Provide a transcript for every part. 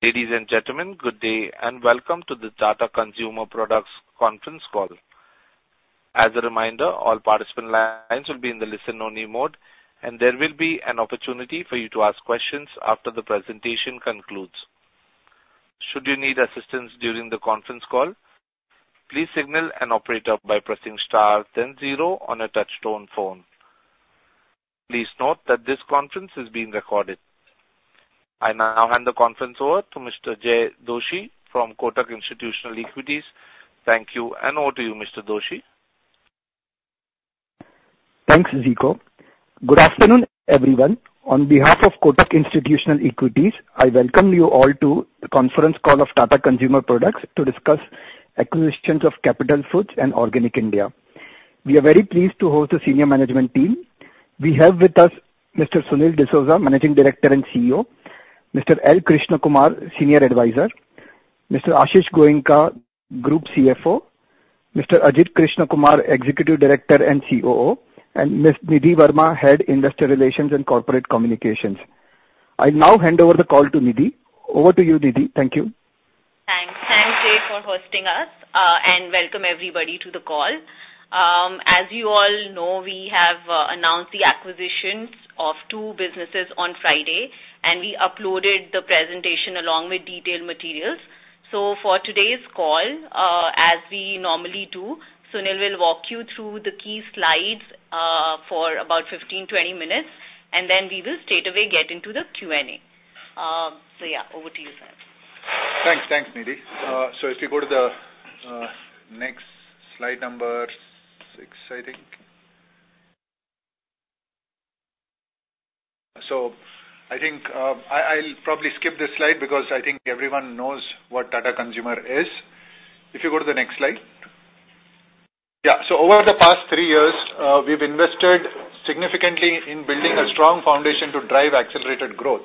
Ladies and gentlemen, good day, and welcome to the Tata Consumer Products conference call. As a reminder, all participant lines will be in the listen-only mode, and there will be an opportunity for you to ask questions after the presentation concludes. Should you need assistance during the conference call, please signal an operator by pressing star then zero on a touchtone phone. Please note that this conference is being recorded. I now hand the conference over to Mr. Jay Doshi from Kotak Institutional Equities. Thank you, and over to you, Mr. Doshi. Thanks, Ziko. Good afternoon, everyone. On behalf of Kotak Institutional Equities, I welcome you all to the conference call of Tata Consumer Products to discuss acquisitions of Capital Foods and Organic India. We are very pleased to host the senior management team. We have with us Mr. Sunil D'Souza, Managing Director and CEO, Mr. L. Krishnakumar, Senior Advisor, Mr. Ashish Goenka, Group CFO, Mr. Ajit Krishnakumar, Executive Director and COO, and Miss Nidhi Verma, Head, Investor Relations and Corporate Communications. I'll now hand over the call to Nidhi. Over to you, Nidhi. Thank you. Thanks. Thanks, Jay, for hosting us, and welcome everybody to the call. As you all know, we have announced the acquisitions of two businesses on Friday, and we uploaded the presentation along with detailed materials. For today's call, as we normally do, Sunil will walk you through the key slides for about 15-20 minutes, and then we will straightaway get into the Q&A. So yeah, over to you, Sunil. Thanks. Thanks, Nidhi. So if you go to the next slide number 6, I think. So I think, I'll probably skip this slide because I think everyone knows what Tata Consumer is. If you go to the next slide. Yeah, so over the past three years, we've invested significantly in building a strong foundation to drive accelerated growth.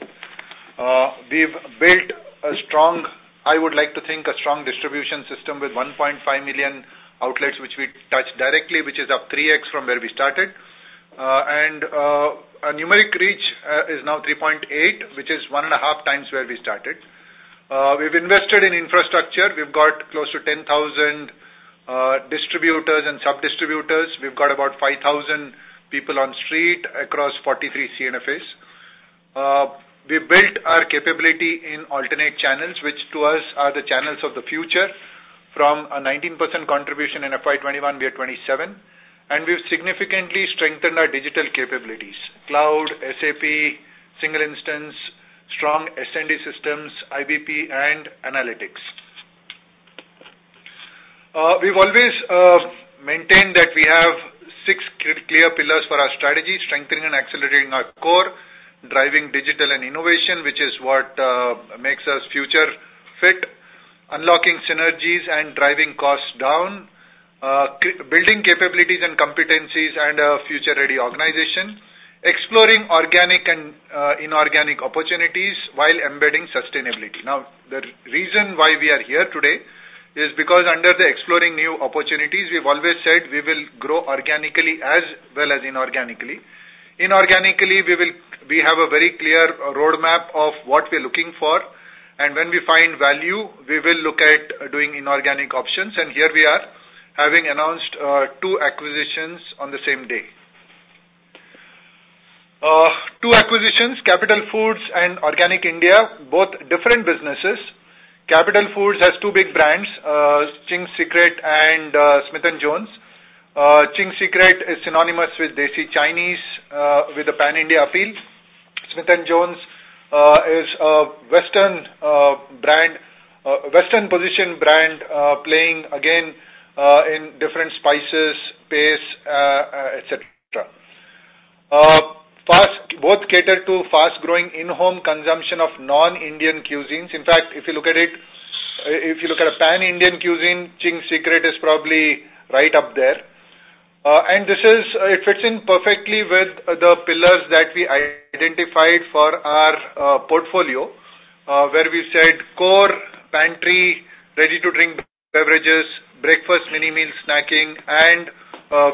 We've built a strong, I would like to think, a strong distribution system with 1.5 million outlets, which we touch directly, which is up 3x from where we started. And, our numeric reach is now 3.8 million, which is 1.5x where we started. We've invested in infrastructure. We've got close to 10,000 distributors and sub-distributors. We've got about 5,000 people on street across 43 C&FAs. We built our capability in alternate channels, which to us are the channels of the future, from a 19% contribution in FY 2021, we are 27%, and we've significantly strengthened our digital capabilities, Cloud, SAP, Single Instance, strong S&D systems, IBP, and analytics. We've always maintained that we have six clear pillars for our strategy, strengthening and accelerating our core, driving digital and innovation, which is what makes us future fit, unlocking synergies and driving costs down, building capabilities and competencies and a future-ready organization, exploring organic and inorganic opportunities while embedding sustainability. Now, the reason why we are here today is because under the exploring new opportunities, we've always said we will grow organically as well as inorganically. Inorganically, we will—we have a very clear roadmap of what we're looking for, and when we find value, we will look at doing inorganic options. Here we are, having announced two acquisitions on the same day. Two acquisitions, Capital Foods and Organic India, both different businesses. Capital Foods has two big brands, Ching's Secret and Smith & Jones. Ching's Secret is synonymous with Desi Chinese, with a Pan-India appeal. Smith & Jones is a Western brand, Western position brand, playing again in different spices, paste, et cetera. Both cater to fast-growing in-home consumption of non-Indian cuisines. In fact, if you look at it, if you look at a Pan-Indian cuisine, Ching's Secret is probably right up there. This is, it fits in perfectly with the pillars that we identified for our portfolio, where we said core pantry, ready-to-drink beverages, breakfast, mini meals, snacking, and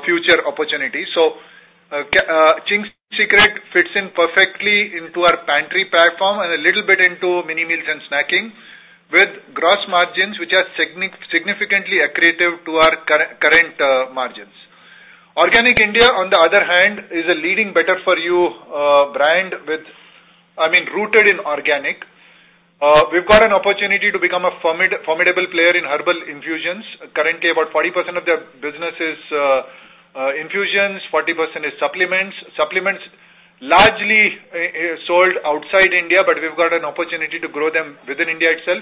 future opportunities. So, Ching's Secret fits in perfectly into our pantry platform and a little bit into mini meals and snacking, with gross margins, which are significantly accretive to our current margins. Organic India, on the other hand, is a leading better for you brand with, I mean, rooted in organic. We've got an opportunity to become a formidable player in herbal infusions. Currently, about 40% of their business is infusions, 40% is supplements. Supplements largely sold outside India, but we've got an opportunity to grow them within India itself,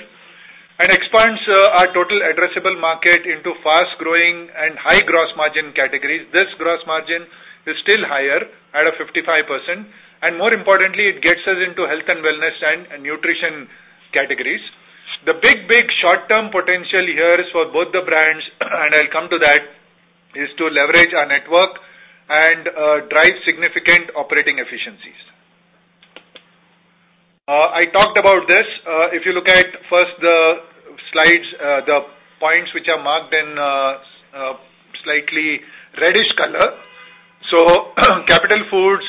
and expands our total addressable market into fast-growing and high gross margin categories. This gross margin is still higher at 55%, and more importantly, it gets us into health and wellness and nutrition categories. The big, big short-term potential here is for both the brands, and I'll come to that, is to leverage our network and drive significant operating efficiencies. I talked about this. If you look at first the slides, the points which are marked in reddish color. So Capital Foods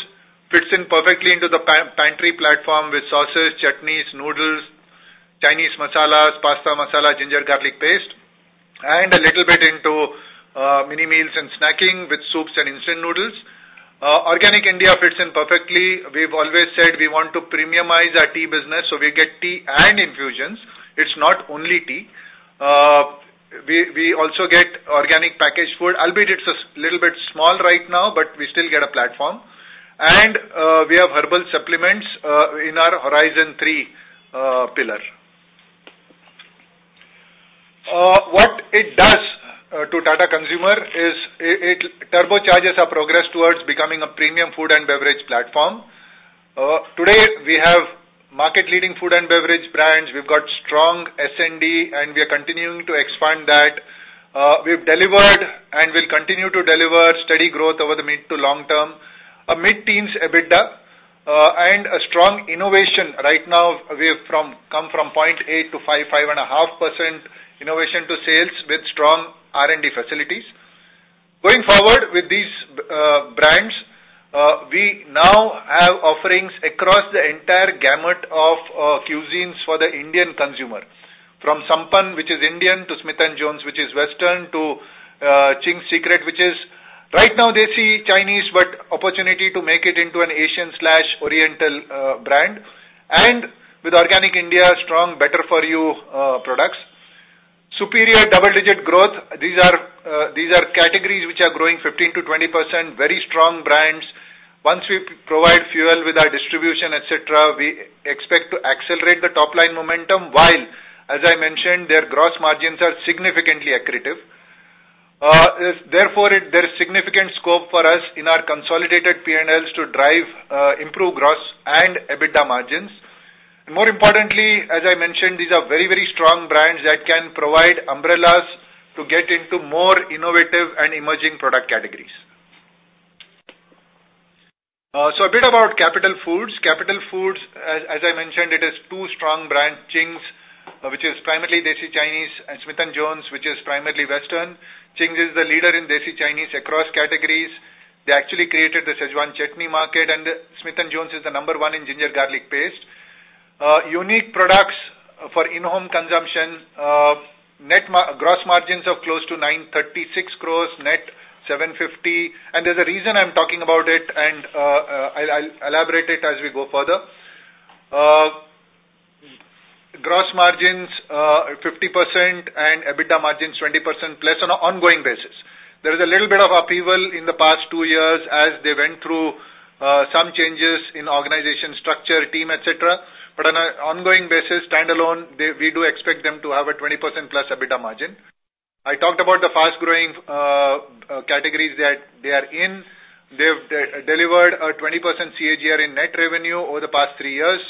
fits in perfectly into the pantry platform with sauces, chutneys, noodles, Chinese masalas, pasta masala, ginger garlic paste, and a little bit into mini meals and snacking with soups and instant noodles. Organic India fits in perfectly. We've always said we want to premiumize our tea business, so we get tea and infusions. It's not only tea. We also get organic packaged food, albeit it's a little bit small right now, but we still get a platform. We have herbal supplements in our horizon three pillar. What it does to Tata Consumer is it turbocharges our progress towards becoming a premium food and beverage platform. Today, we have market-leading food and beverage brands. We've got strong S&D, and we are continuing to expand that. We've delivered and will continue to deliver steady growth over the mid- to long-term, a mid-teens EBITDA, and a strong innovation. Right now, we have come from 0.8%-5.5% innovation to sales with strong R&D facilities. Going forward with these brands, we now have offerings across the entire gamut of cuisines for the Indian consumer, from Sampann, which is Indian, to Smith & Jones, which is Western, to Ching's Secret, which is right now Desi Chinese, but opportunity to make it into an Asian/Oriental brand, and with Organic India, strong better-for-you products. Superior double-digit growth. These are, these are categories which are growing 15%-20%, very strong brands. Once we provide fuel with our distribution, et cetera, we expect to accelerate the top line momentum, while, as I mentioned, their gross margins are significantly accretive. Therefore, there is significant scope for us in our consolidated P&Ls to drive improve gross and EBITDA margins. More importantly, as I mentioned, these are very, very strong brands that can provide umbrellas to get into more innovative and emerging product categories. So a bit about Capital Foods. Capital Foods, as I mentioned, it is two strong brand, Ching's, which is primarily Desi Chinese, and Smith & Jones, which is primarily Western. Ching's is the leader in Desi Chinese across categories. They actually created the Schezwan Chutney market, and Smith & Jones is the number one in ginger garlic paste. Unique products for in-home consumption, gross margins of close to 936 crore, net 750 crore, and there's a reason I'm talking about it, and I'll elaborate it as we go further. Gross margins 50% and EBITDA margins 20%+ on an ongoing basis. There is a little bit of upheaval in the past two years as they went through some changes in organization structure, team, et cetera. But on an ongoing basis, standalone, they, we do expect them to have a 20%+ EBITDA margin. I talked about the fast-growing categories that they are in. They've delivered a 20% CAGR in net revenue over the past three years,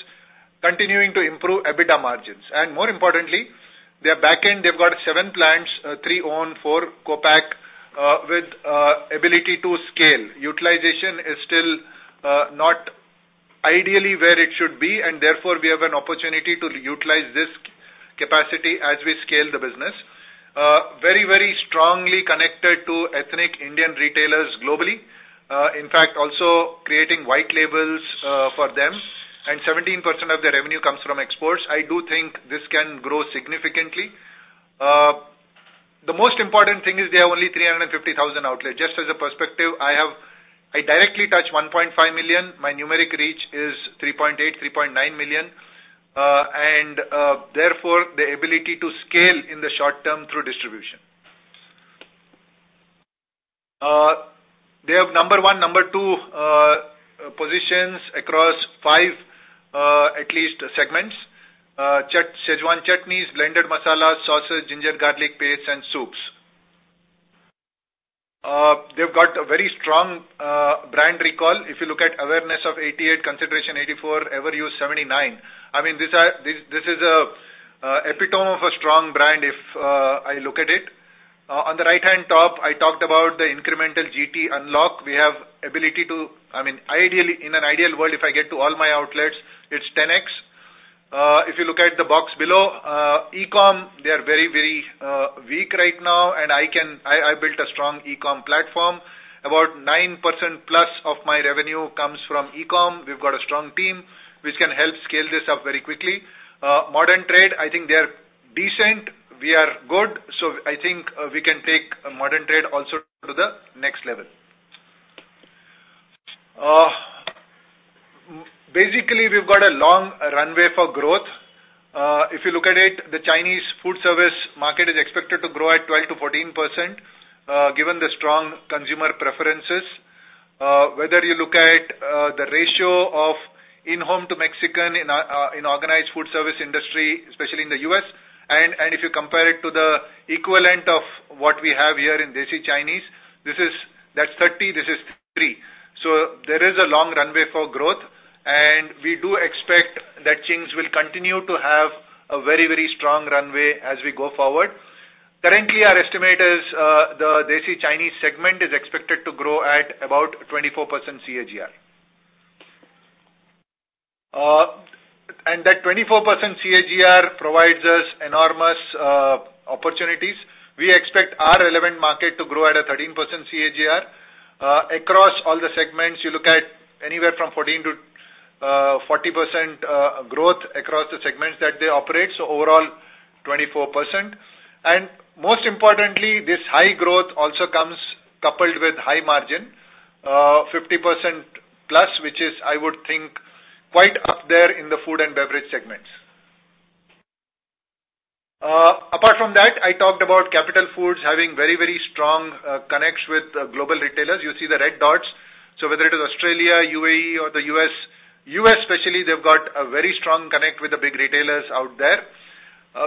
continuing to improve EBITDA margins. And more importantly, their back end, they've got seven plants, three owned, four co-pack, with ability to scale. Utilization is still not ideally where it should be, and therefore, we have an opportunity to utilize this capacity as we scale the business. Very, very strongly connected to ethnic Indian retailers globally. In fact, also creating white labels for them, and 17% of their revenue comes from exports. I do think this can grow significantly. The most important thing is they have only 350,000 outlets. Just as a perspective, I have—I directly touch 1.5 million. My numeric reach is 3.8 million, 3.9 million, and therefore, the ability to scale in the short term through distribution. They have number one, number two positions across at least five segments: Schezwan chutneys, blended masalas, sauces, ginger garlic paste, and soups. They've got a very strong brand recall. If you look at awareness of 88, consideration 84, ever use 79. I mean, these are—this, this is an epitome of a strong brand, if I look at it. On the right-hand top, I talked about the incremental GT unlock. We have ability to, I mean, ideally, in an ideal world, if I get to all my outlets, it's 10x. If you look at the box below, e-com, they are very, very weak right now, and I can, I built a strong e-com platform. About 9%+ of my revenue comes from e-com. We've got a strong team, which can help scale this up very quickly. Modern trade, I think they are decent. We are good, so I think, we can take modern trade also to the next level. Basically, we've got a long runway for growth. If you look at it, the Chinese food service market is expected to grow at 12%-14%, given the strong consumer preferences. Whether you look at the ratio of in-home to Mexican in organized food service industry, especially in the U.S., and if you compare it to the equivalent of what we have here in Desi Chinese, that's 30, this is three. So there is a long runway for growth, and we do expect that Ching's will continue to have a very, very strong runway as we go forward. Currently, our estimate is the Desi Chinese segment is expected to grow at about 24% CAGR. And that 24% CAGR provides us enormous opportunities. We expect our relevant market to grow at a 13% CAGR. Across all the segments, you look at anywhere from 14% to 40% growth across the segments that they operate, so overall, 24%. And most importantly, this high growth also comes coupled with high margin, 50%+, which is, I would think, quite up there in the food and beverage segments. Apart from that, I talked about Capital Foods having very, very strong connects with global retailers. You see the red dots. So whether it is Australia, UAE, or the U.S., U.S. especially, they've got a very strong connect with the big retailers out there.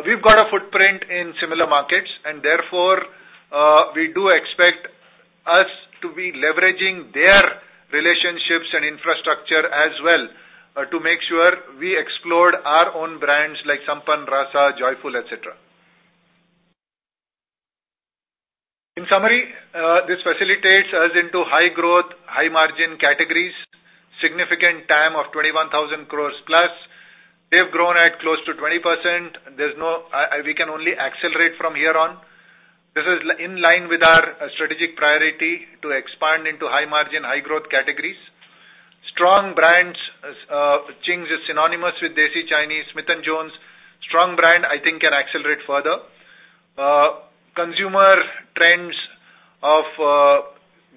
We've got a footprint in similar markets, and therefore, we do expect us to be leveraging their relationships and infrastructure as well, to make sure we explore our own brands like Sampann, Raasa, Joyfull, et cetera. In summary, this facilitates us into high growth, high margin categories, significant TAM of 21,000 crore+. They've grown at close to 20%. We can only accelerate from here on. This is in line with our strategic priority to expand into high margin, high growth categories. Strong brands, Ching's is synonymous with Desi Chinese, Smith & Jones. Strong brand, I think, can accelerate further. Consumer trends of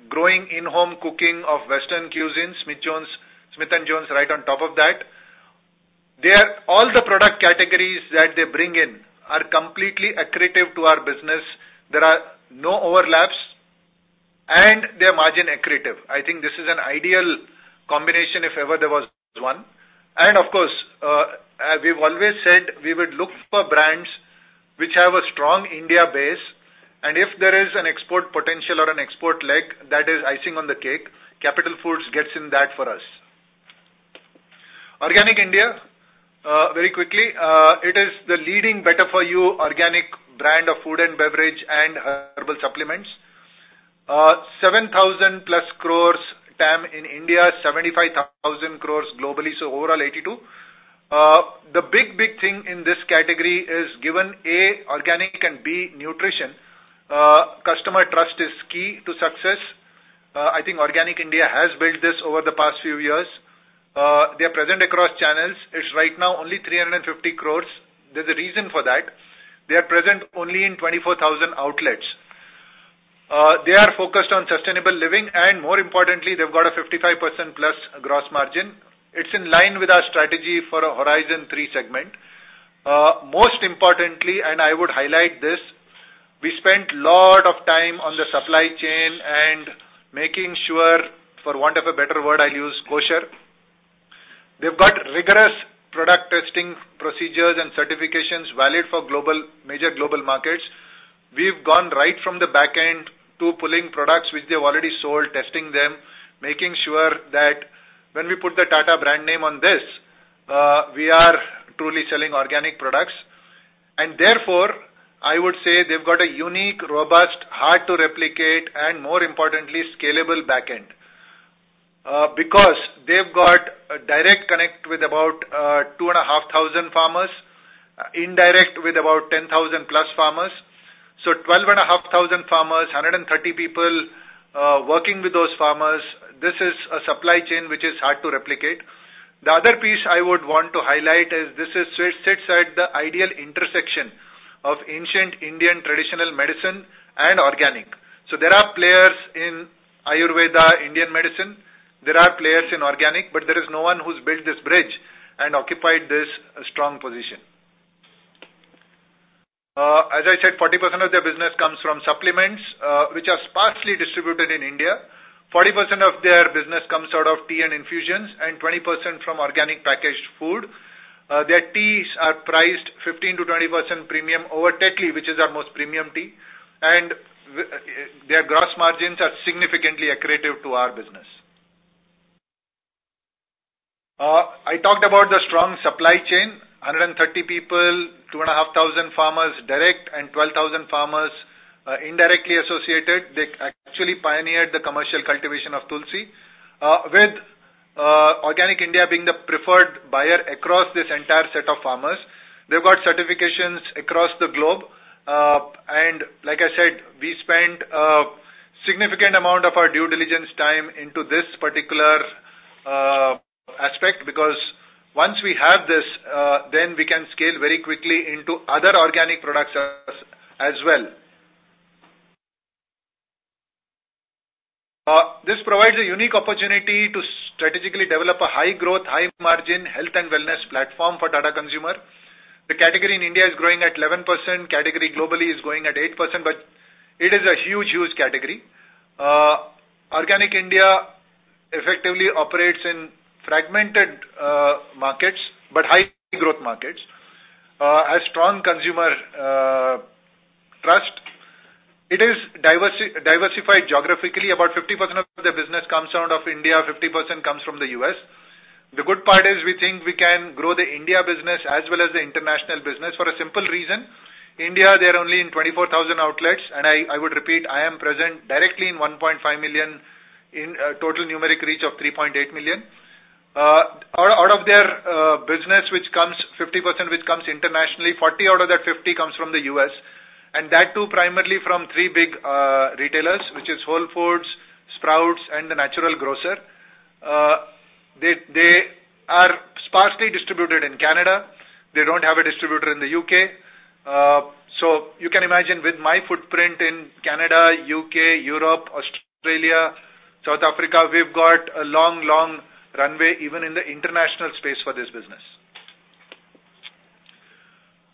growing in-home cooking of Western cuisine, Smith & Jones right on top of that. All the product categories that they bring in are completely accretive to our business. There are no overlaps, and they are margin accretive. I think this is an ideal combination if ever there was one. And of course, as we've always said, we would look for brands which have a strong India base, and if there is an export potential or an export leg, that is icing on the cake. Capital Foods gets in that for us. Organic India, very quickly, it is the leading better for you organic brand of food and beverage and herbal supplements. 7,000 crore+ TAM in India, 75,000 crore globally, so overall, 82,000 crore. The big, big thing in this category is given, A, organic, and B, nutrition, customer trust is key to success. I think Organic India has built this over the past few years. They are present across channels. It's right now only 350 crore. There's a reason for that. They are present only in 24,000 outlets. They are focused on sustainable living, and more importantly, they've got a 55%+ gross margin. It's in line with our strategy for a Horizon three segment. Most importantly, and I would highlight this, we spent a lot of time on the supply chain and making sure, for want of a better word, I'll use kosher. They've got rigorous product testing procedures and certifications valid for global, major global markets. We've gone right from the back end to pulling products which they've already sold, testing them, making sure that when we put the Tata brand name on this, we are truly selling organic products. And therefore, I would say they've got a unique, robust, hard to replicate, and more importantly, scalable back end. Because they've got a direct connect with about 2,500 farmers, indirect with about 10,000+ farmers. So 12,500 farmers, 130 people working with those farmers. This is a supply chain which is hard to replicate. The other piece I would want to highlight is this is, sits at the ideal intersection of ancient Indian traditional medicine and organic. So there are players in Ayurveda, Indian medicine, there are players in organic, but there is no one who's built this bridge and occupied this strong position. As I said, 40% of their business comes from supplements, which are sparsely distributed in India. 40% of their business comes out of tea and infusions, and 20% from organic packaged food. Their teas are priced 15%-20% premium over Tetley, which is our most premium tea, and their gross margins are significantly accretive to our business. I talked about the strong supply chain, 130 people, 2,500 farmers direct and 12,000 farmers indirectly associated. They actually pioneered the commercial cultivation of Tulsi, with Organic India being the preferred buyer across this entire set of farmers. They've got certifications across the globe. And like I said, we spent a significant amount of our due diligence time into this particular aspect, because once we have this, then we can scale very quickly into other organic products as well. This provides a unique opportunity to strategically develop a high-growth, high-margin health and wellness platform for Tata Consumer. The category in India is growing at 11%, category globally is growing at 8%, but it is a huge, huge category. Organic India effectively operates in fragmented markets, but high growth markets, has strong consumer trust. It is diversified geographically. About 50% of their business comes out of India, 50% comes from the U.S. The good part is we think we can grow the India business as well as the international business for a simple reason. India, they are only in 24,000 outlets, and I, I would repeat, I am present directly in 1.5 million in total numeric reach of 3.8 million. Out of their business, which comes 50%, which comes internationally, 40 out of that 50 comes from the US, and that too, primarily from three big retailers, which is Whole Foods, Sprouts, and the Natural Grocers. They are sparsely distributed in Canada. They don't have a distributor in the U.K. So you can imagine with my footprint in Canada, U.K., Europe, Australia, South Africa, we've got a long, long runway, even in the international space for this business.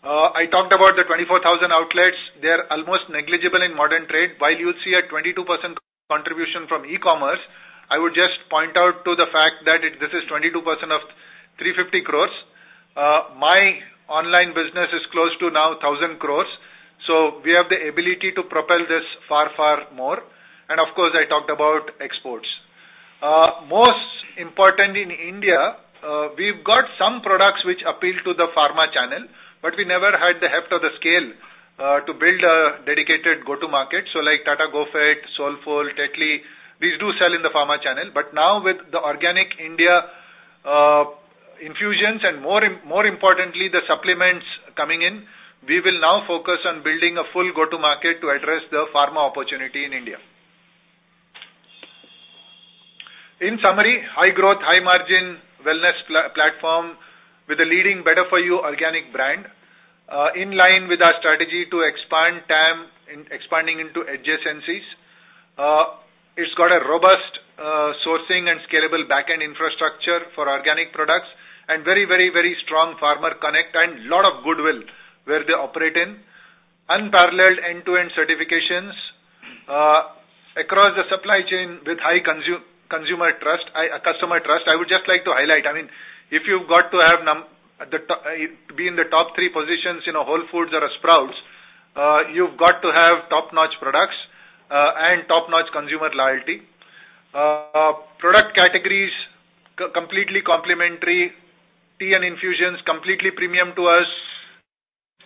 I talked about the 24,000 outlets. They are almost negligible in modern trade. While you see a 22% contribution from e-commerce, I would just point out to the fact that it, this is 22% of 350 crore. My online business is close to 1,000 crore, so we have the ability to propel this far, far more, and of course, I talked about exports. Most important in India, we've got some products which appeal to the pharma channel, but we never had the heft or the scale to build a dedicated go-to-market. So like Tata GoFit, Soulfull, Tetley, these do sell in the pharma channel, but now with the Organic India infusions and, more importantly, the supplements coming in, we will now focus on building a full go-to-market to address the pharma opportunity in India. In summary, high growth, high margin, wellness platform with a leading better-for-you organic brand. In line with our strategy to expand TAM in expanding into adjacencies. It's got a robust, sourcing and scalable backend infrastructure for organic products, and very, very, very strong farmer connect and lot of goodwill where they operate in. Unparalleled end-to-end certifications, across the supply chain with high consumer trust, customer trust. I would just like to highlight, I mean, if you've got to have number one at the top, be in the top three positions in a Whole Foods or a Sprouts, you've got to have top-notch products, and top-notch consumer loyalty. Product categories, completely complementary. Tea and infusions, completely premium to us.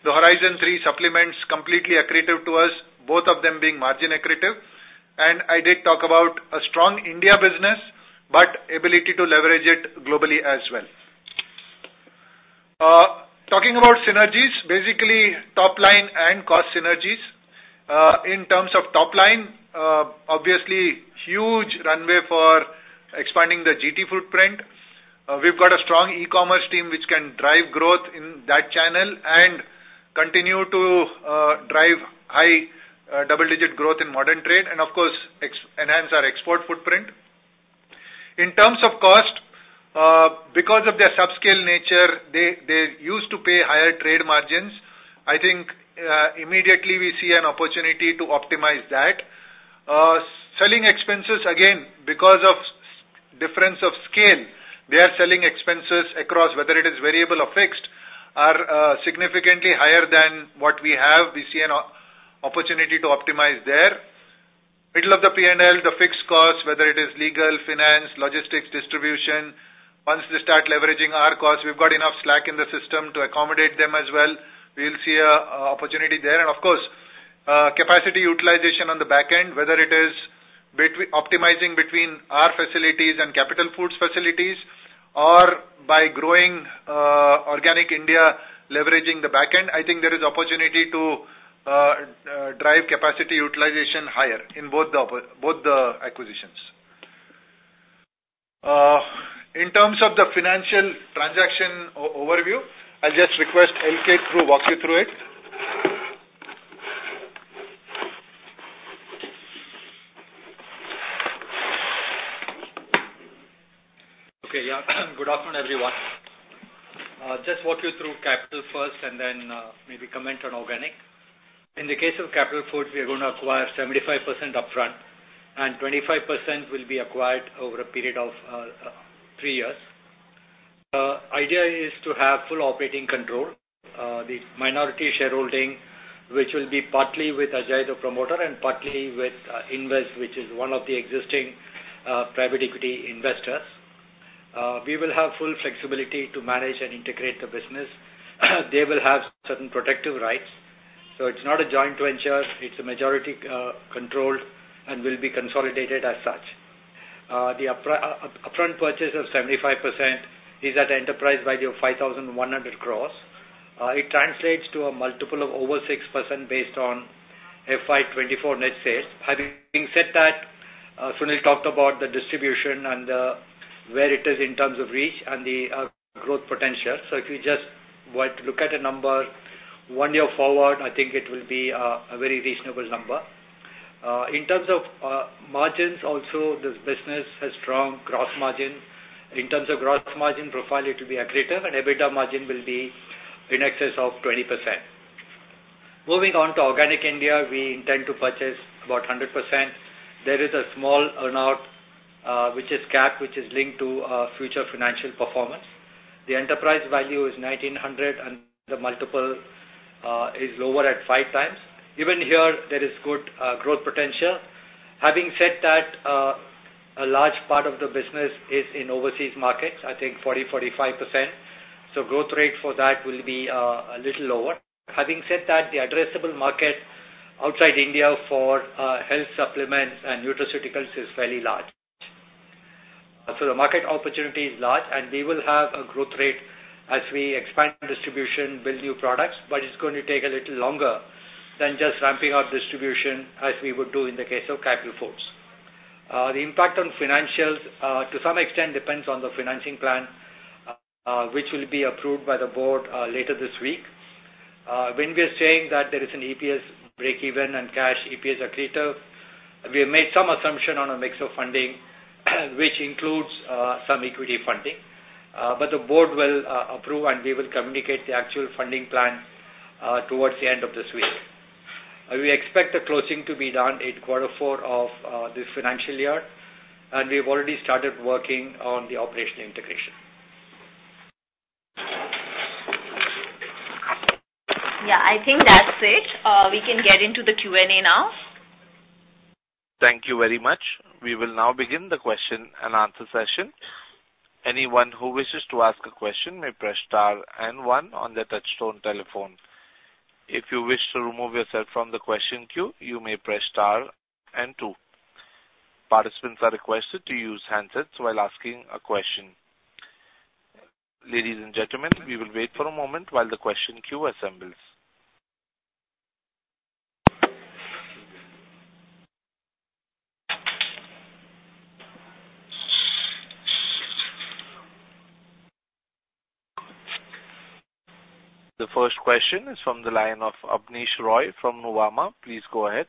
The Horizon Three supplements, completely accretive to us, both of them being margin accretive. I did talk about a strong India business, but ability to leverage it globally as well. Talking about synergies, basically top line and cost synergies. In terms of top line, obviously, huge runway for expanding the GT footprint. We've got a strong e-commerce team which can drive growth in that channel and continue to drive high double-digit growth in modern trade, and of course, enhance our export footprint. In terms of cost, because of their subscale nature, they used to pay higher trade margins. I think, immediately we see an opportunity to optimize that. Selling expenses, again, because of difference of scale, their selling expenses across, whether it is variable or fixed, are significantly higher than what we have. We see an opportunity to optimize there. Middle of the P&L, the fixed costs, whether it is legal, finance, logistics, distribution, once they start leveraging our costs, we've got enough slack in the system to accommodate them as well. We'll see a opportunity there. And of course, capacity utilization on the back end, whether it is optimizing between our facilities and Capital Foods' facilities or by growing Organic India, leveraging the back end, I think there is opportunity to drive capacity utilization higher in both the acquisitions. In terms of the financial transaction overview, I'll just request LK to walk you through it. Okay, yeah. Good afternoon, everyone. Just walk you through Capital first and then, maybe comment on Organic. In the case of Capital Foods, we are gonna acquire 75% upfront, and 25% will be acquired over a period of, three years. Idea is to have full operating control. The minority shareholding, which will be partly with Ajay, the promoter, and partly with, Invus, which is one of the existing, private equity investors. We will have full flexibility to manage and integrate the business. They will have certain protective rights, so it's not a joint venture, it's a majority, controlled and will be consolidated as such. The upfront purchase of 75% is at the enterprise value of 5,100 crore. It translates to a multiple of over 6% based on FY 2024 net sales. Having said that, Sunil talked about the distribution and where it is in terms of reach and the growth potential. So if you just want to look at a number, one year forward, I think it will be a very reasonable number. In terms of margins, also, this business has strong gross margin. In terms of gross margin profile, it will be accretive, and EBITDA margin will be in excess of 20%. Moving on to Organic India, we intend to purchase about 100%. There is a small earn-out, which is capped, which is linked to future financial performance. The enterprise value is 1,900, and the multiple is lower at 5x. Even here, there is good growth potential. Having said that part of the business is in overseas markets, I think 40%-45%, so growth rate for that will be a little lower. Having said that, the addressable market outside India for health supplements and nutraceuticals is fairly large. So the market opportunity is large, and we will have a growth rate as we expand distribution, build new products, but it's going to take a little longer than just ramping up distribution as we would do in the case of Capital Foods. The impact on financials, to some extent, depends on the financing plan, which will be approved by the board later this week. When we are saying that there is an EPS break even and cash EPS accretive, we have made some assumption on a mix of funding, which includes some equity funding. The board will approve, and we will communicate the actual funding plan towards the end of this week. We expect the closing to be done in quarter four of this financial year, and we've already started working on the operational integration. Yeah, I think that's it. We can get into the Q&A now. Thank you very much. We will now begin the question and answer session. Anyone who wishes to ask a question may press star and one on their touchtone telephone. If you wish to remove yourself from the question queue, you may press star and two. Participants are requested to use handsets while asking a question. Ladies and gentlemen, we will wait for a moment while the question queue assembles. The first question is from the line of Abneesh Roy from Nuvama. Please go ahead.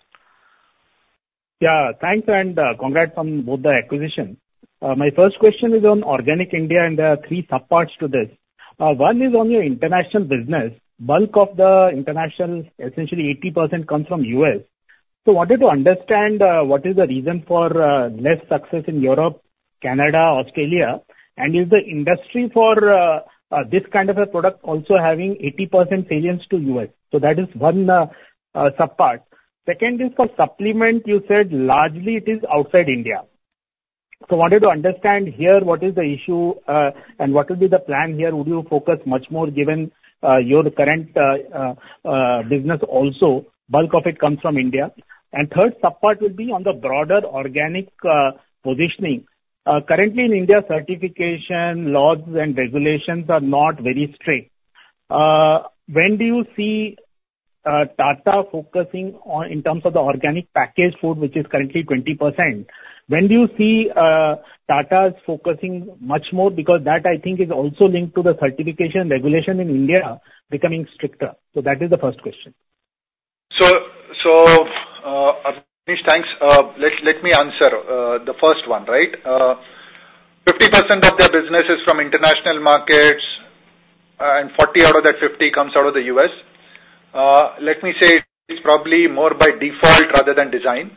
Yeah, thanks, and, congrats on both the acquisition. My first question is on Organic India, and there are three subparts to this. One is on your international business. Bulk of the international, essentially 80%, comes from U.S. So wanted to understand, what is the reason for, less success in Europe, Canada, Australia, and is the industry for, this kind of a product also having 80% salience to U.S.? So that is one, subpart. Second is for supplement, you said largely it is outside India. So wanted to understand here, what is the issue, and what will be the plan here? Would you focus much more given, your current, business also, bulk of it comes from India. And third subpart will be on the broader organic, positioning. Currently in India, certification, laws and regulations are not very strict. When do you see, Tata focusing on in terms of the organic packaged food, which is currently 20%, when do you see, Tata's focusing much more? Because that, I think, is also linked to the certification regulation in India becoming stricter. So that is the first question. Abneesh, thanks. Let me answer the first one, right? 50% of their business is from international markets, and 40 out of that 50 comes out of the U.S. Let me say it's probably more by default rather than design.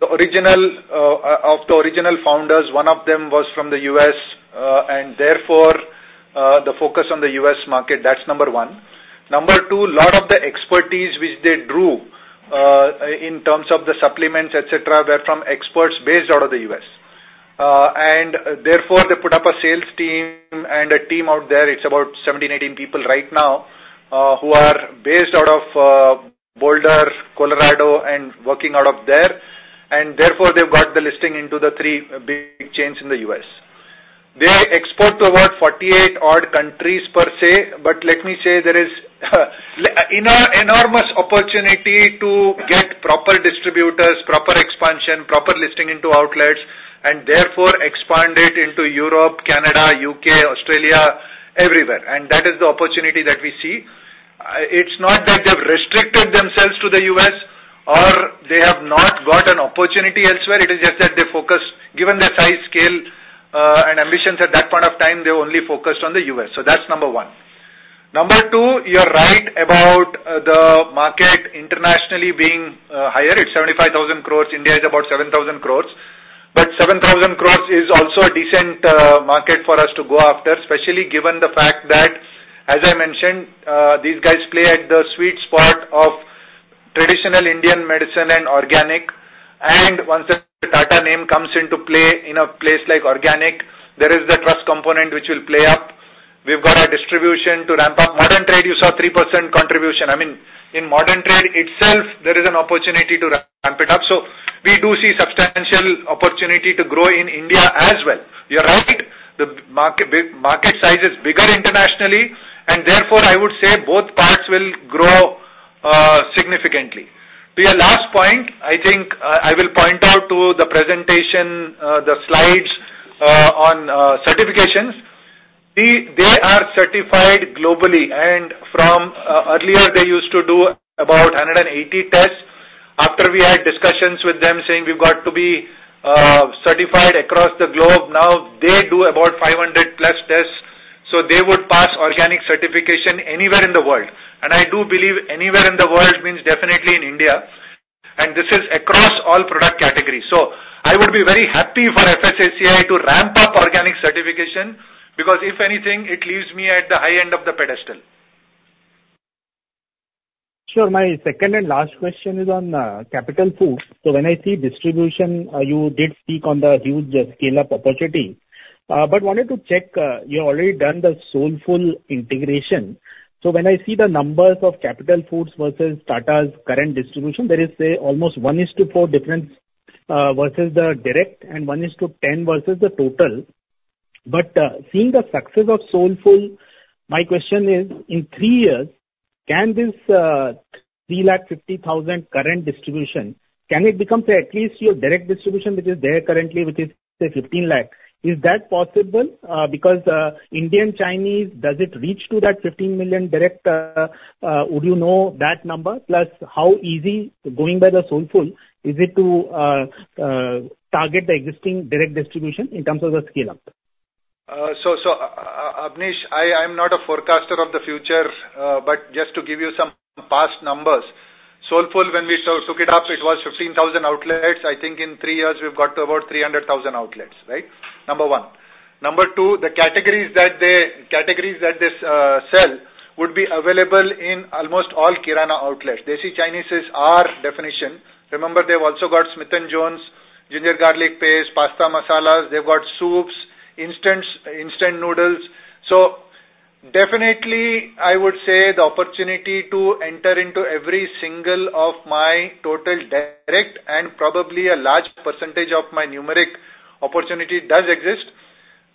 The original founders, one of them was from the U.S., and therefore, the focus on the U.S. market, that's number one. Number two, a lot of the expertise which they drew, in terms of the supplements, et cetera, were from experts based out of the U.S. Therefore, they put up a sales team and a team out there. It's about 17-18 people right now, who are based out of Boulder, Colorado, and working out of there, and therefore, they've got the listing into the three big chains in the U.S. They export to about 48 odd countries per se, but let me say there is enormous opportunity to get proper distributors, proper expansion, proper listing into outlets, and therefore expand it into Europe, Canada, U.K., Australia, everywhere. And that is the opportunity that we see. It's not that they've restricted themselves to the U.S. or they have not got an opportunity elsewhere. It is just that they focus. Given their size, scale, and ambitions at that point of time, they only focused on the U.S. So that's number one. Number two, you're right about the market internationally being higher. It's 75,000 crore. India is about 7,000 crore. But 7,000 crore is also a decent market for us to go after, especially given the fact that, as I mentioned, these guys play at the sweet spot of traditional Indian medicine and organic. And once the Tata name comes into play in a place like Organic, there is the trust component, which will play up. We've got a distribution to ramp up. Modern Trade, you saw 3% contribution. I mean, in Modern Trade itself, there is an opportunity to ramp it up. So we do see substantial opportunity to grow in India as well. You're right, the market size is bigger internationally, and therefore, I would say both parts will grow significantly. To your last point, I think, I will point out to the presentation, the slides, on certifications. See, they are certified globally, and from earlier, they used to do about 180 tests. After we had discussions with them, saying, "You've got to be certified across the globe," now they do about 500+ tests, so they would pass organic certification anywhere in the world. And I do believe anywhere in the world means definitely in India, and this is across all product categories. So I would be very happy for FSSAI to ramp up organic certification, because if anything, it leaves me at the high end of the pedestal. Sure. My second and last question is on Capital Foods. So when I see distribution, you did speak on the huge scale up opportunity, but wanted to check, you've already done the Soulfull integration. So when I see the numbers of Capital Foods versus Tata's current distribution, there is, say, almost 1:4 difference versus the direct, and 1:10 versus the total. But seeing the success of Soulfull, my question is, in three years, can this 350,000 current distribution become say at least your direct distribution, which is there currently, which is say 1,500,000? Is that possible, because Indian Chinese, does it reach to that 15 million direct, would you know that number? Plus, how easy, going by the Soulfull, is it to target the existing direct distribution in terms of the scale up? Abneesh, I'm not a forecaster of the future, but just to give you some past numbers, Soulfull, when we took it up, it was 15,000 outlets. I think in three years we've got to about 300,000 outlets, right? Number one. Number two, the categories that they sell would be available in almost all Kirana outlets. Desi Chinese is our definition. Remember, they've also got Smith & Jones, ginger garlic paste, pasta masalas. They've got soups, instant noodles. So definitely, I would say the opportunity to enter into every single of my total direct, and probably a large percentage of my numeric opportunity does exist.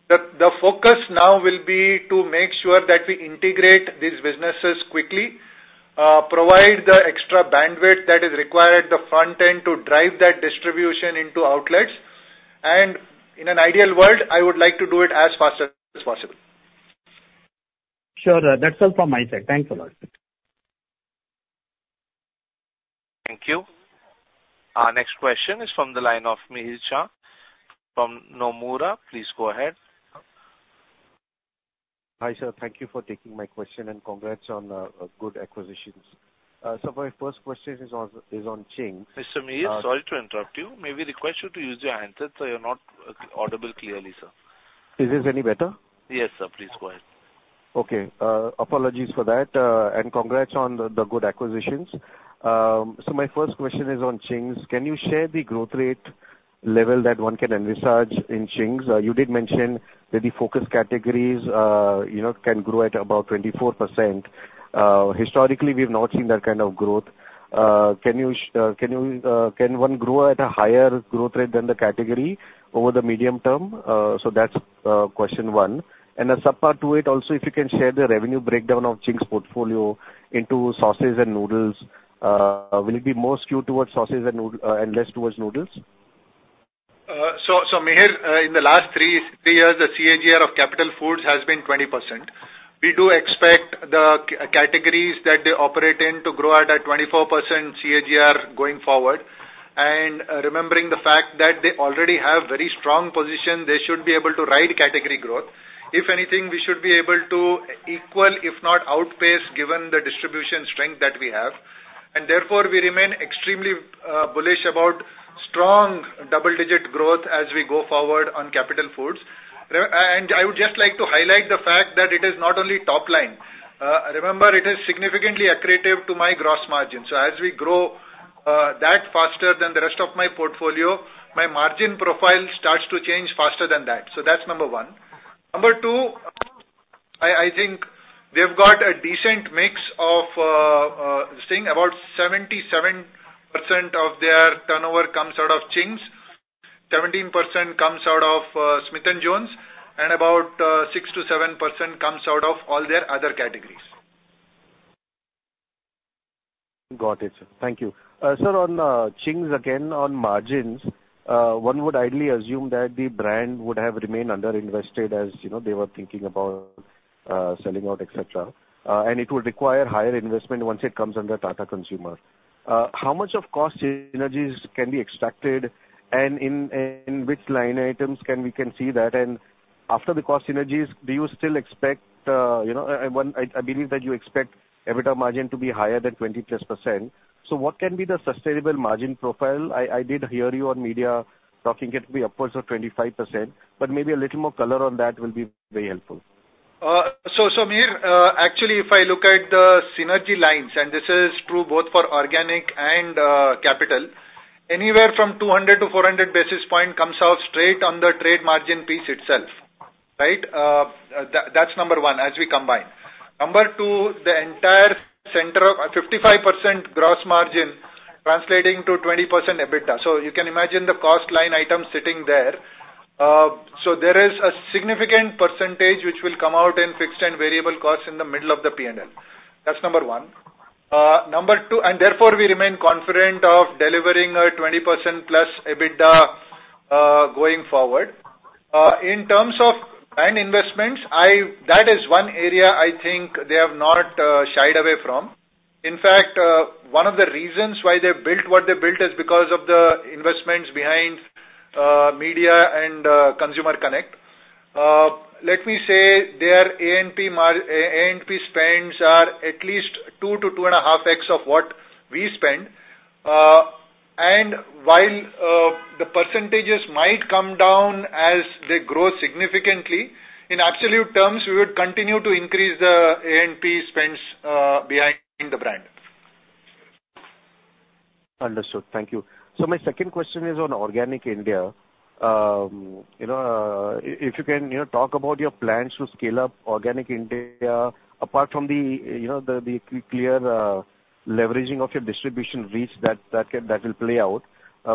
The focus now will be to make sure that we integrate these businesses quickly, provide the extra bandwidth that is required at the front end to drive that distribution into outlets, and in an ideal world, I would like to do it as fast as possible. Sure, that's all from my side. Thanks a lot. Thank you. Our next question is from the line of Mihir Shah from Nomura. Please go ahead. Hi, sir. Thank you for taking my question, and congrats on good acquisitions. So my first question is on Ching's- Mr. Mihir, sorry to interrupt you. May we request you to use your handset, so you're not audible clearly, sir? Is this any better? Yes, sir. Please go ahead. Okay. Apologies for that, and congrats on the good acquisitions. So my first question is on Ching's. Can you share the growth rate level that one can envisage in Ching's? You did mention that the focus categories, you know, can grow at about 24%. Historically, we've not seen that kind of growth. Can one grow at a higher growth rate than the category over the medium term? So that's question one. And a subpart to it also, if you can share the revenue breakdown of Ching's portfolio into sauces and noodles, will it be more skewed towards sauces and less towards noodles? So, so, Mihir, in the last three years, the CAGR of Capital Foods has been 20%. We do expect the categories that they operate in to grow at a 24% CAGR going forward. And, remembering the fact that they already have very strong position, they should be able to ride category growth. If anything, we should be able to equal, if not outpace, given the distribution strength that we have. And therefore, we remain extremely bullish about strong double-digit growth as we go forward on Capital Foods. And I would just like to highlight the fact that it is not only top line. Remember, it is significantly accretive to my gross margin. So as we grow that faster than the rest of my portfolio, my margin profile starts to change faster than that. So that's number one. 2, I think they've got a decent mix of, saying about 77% of their turnover comes out of Ching's, 17% comes out of Smith & Jones, and about 6%-7% comes out of all their other categories. Got it, sir. Thank you. Sir, on Ching's again, on margins, one would ideally assume that the brand would have remained underinvested, as you know, they were thinking about selling out, et cetera, and it would require higher investment once it comes under Tata Consumer. How much of cost synergies can be extracted, and in which line items can we see that? And after the cost synergies, do you still expect, you know, one—I believe that you expect EBITDA margin to be higher than 20+%? So what can be the sustainable margin profile? I did hear you on media talking it to be upwards of 25%, but maybe a little more color on that will be very helpful. So, so Mihir, actually, if I look at the synergy lines, and this is true both for organic and, capital, anywhere from 200 to 400 basis points comes out straight on the trade margin piece itself, right? That's number one as we combine. Number two, the entire center of 55% gross margin translating to 20% EBITDA. So you can imagine the cost line item sitting there. So there is a significant percentage which will come out in fixed and variable costs in the middle of the P&L. That's number one. Number two... And therefore, we remain confident of delivering a 20%+ EBITDA, going forward. In terms of brand investments, That is one area I think they have not, shied away from. In fact, one of the reasons why they built what they built is because of the investments behind media and consumer connect. Let me say their A&P spends are at least 2x-2.5x of what we spend, while the percentages might come down as they grow significantly, in absolute terms, we would continue to increase the A&P spends behind the brand. Understood. Thank you. So my second question is on Organic India. You know, if you can, you know, talk about your plans to scale up Organic India, apart from the, you know, the clear leveraging of your distribution reach that can, that will play out.